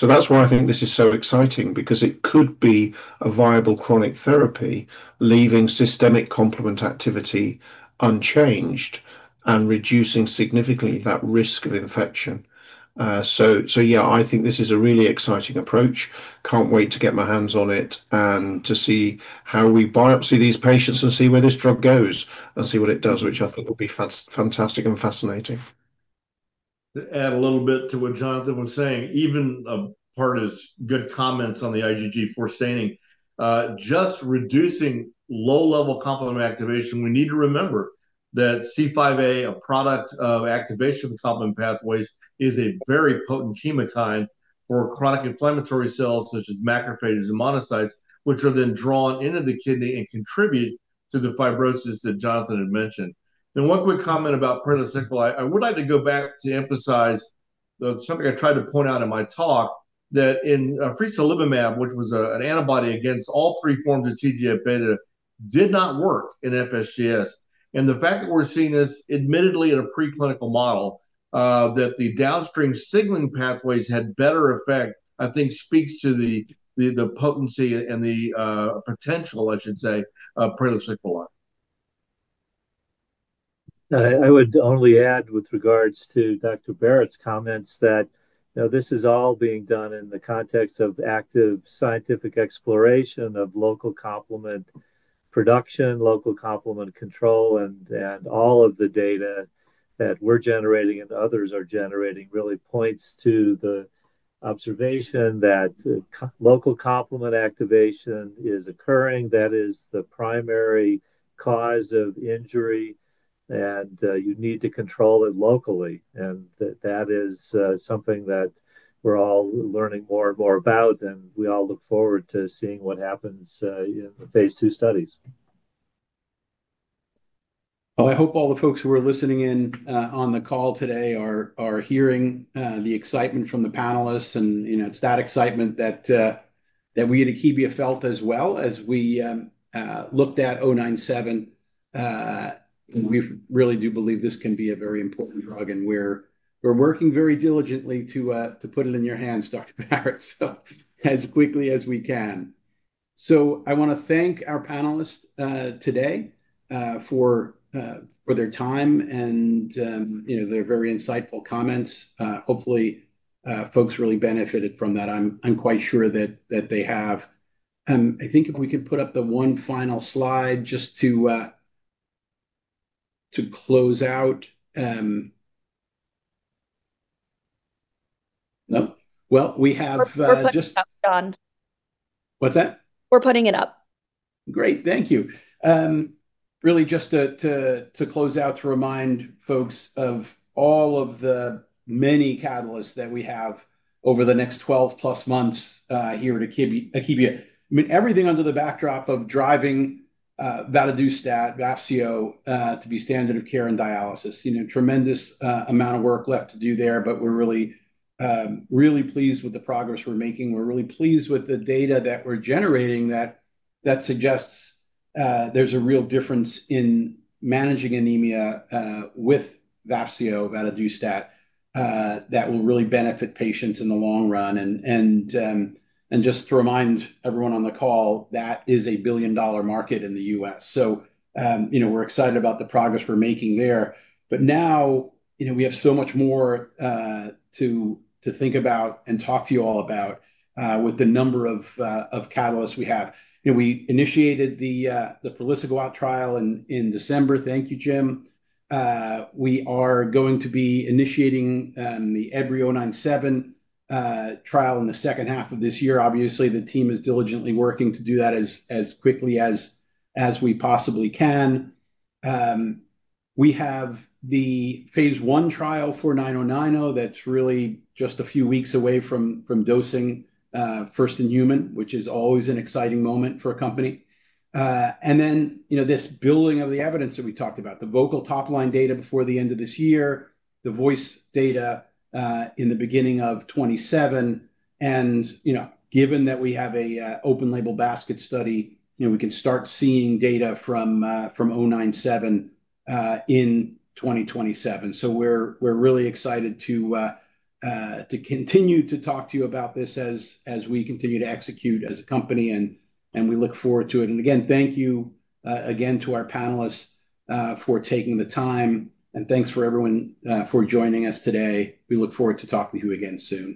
S7: That's why I think this is so exciting because it could be a viable chronic therapy, leaving systemic complement activity unchanged and reducing significantly that risk of infection. Yeah, I think this is a really exciting approach. Can't wait to get my hands on it and to see how we biopsy these patients and see where this drug goes and see what it does, which I think will be fantastic and fascinating.
S4: To add a little bit to what Jonathan was saying, even a part of his good comments on the IgG4 staining, just reducing low-level complement activation, we need to remember that C5a, a product of activation of complement pathways, is a very potent chemokine for chronic inflammatory cells such as macrophages and monocytes, which are then drawn into the kidney and contribute to the fibrosis that Jonathan had mentioned. One quick comment about praliciguat. I would like to go back to emphasize something I tried to point out in my talk, that in fresolimumab, which was an antibody against all three forms of TGF-β, did not work in FSGS. The fact that we're seeing this admittedly in a preclinical model, that the downstream signaling pathways had better effect, I think speaks to the potency and the potential, I should say, of praliciguat.
S6: I would only add with regards to Dr. Barratt's comments that, you know, this is all being done in the context of active scientific exploration of local complement production, local complement control, and all of the data that we're generating and others are generating really points to the observation that local complement activation is occurring. That is the primary cause of injury, and you need to control it locally. That is something that we're all learning more and more about, and we all look forward to seeing what happens in the phase II studies.
S3: Well, I hope all the folks who are listening in on the call today are hearing the excitement from the panelists and, you know, it's that excitement that we at Akebia felt as well as we looked at oh nine seven. We really do believe this can be a very important drug, and we're working very diligently to put it in your hands, Dr. Barratt, as quickly as we can. I wanna thank our panelists today for their time and, you know, their very insightful comments. Hopefully, folks really benefited from that. I'm quite sure that they have. I think if we could put up the one final slide just to close out. No? Well, we have just-
S1: We're putting it up, John.
S3: What's that?
S1: We're putting it up.
S3: Great. Thank you. Really just to close out, to remind folks of all of the many catalysts that we have over the next 12+ months, here at Akebia. I mean, everything under the backdrop of driving vadadustat, Vafseo, to be standard of care in dialysis. You know, tremendous amount of work left to do there, but we're really pleased with the progress we're making. We're really pleased with the data that we're generating that suggests there's a real difference in managing anemia with Vafseo vadadustat that will really benefit patients in the long run. Just to remind everyone on the call, that is a billion-dollar market in the U.S. You know, we're excited about the progress we're making there. Now, you know, we have so much more to think about and talk to you all about with the number of catalysts we have. You know, we initiated the praliciguat trial in December. Thank you, Jim. We are going to be initiating the AKB-097 trial in the second half of this year. Obviously, the team is diligently working to do that as quickly as we possibly can. We have the phase I trial for AKB-9090 that's really just a few weeks away from dosing first in human, which is always an exciting moment for a company. you know, this building of the evidence that we talked about, the VOCAL top line data before the end of this year, the VOICE data in the beginning of 2027. you know, given that we have a open label basket study, you know, we can start seeing data from AKB-097 in 2027. We're really excited to continue to talk to you about this as we continue to execute as a company, and we look forward to it. Again, thank you again to our panelists for taking the time, and thanks to everyone for joining us today. We look forward to talking to you again soon.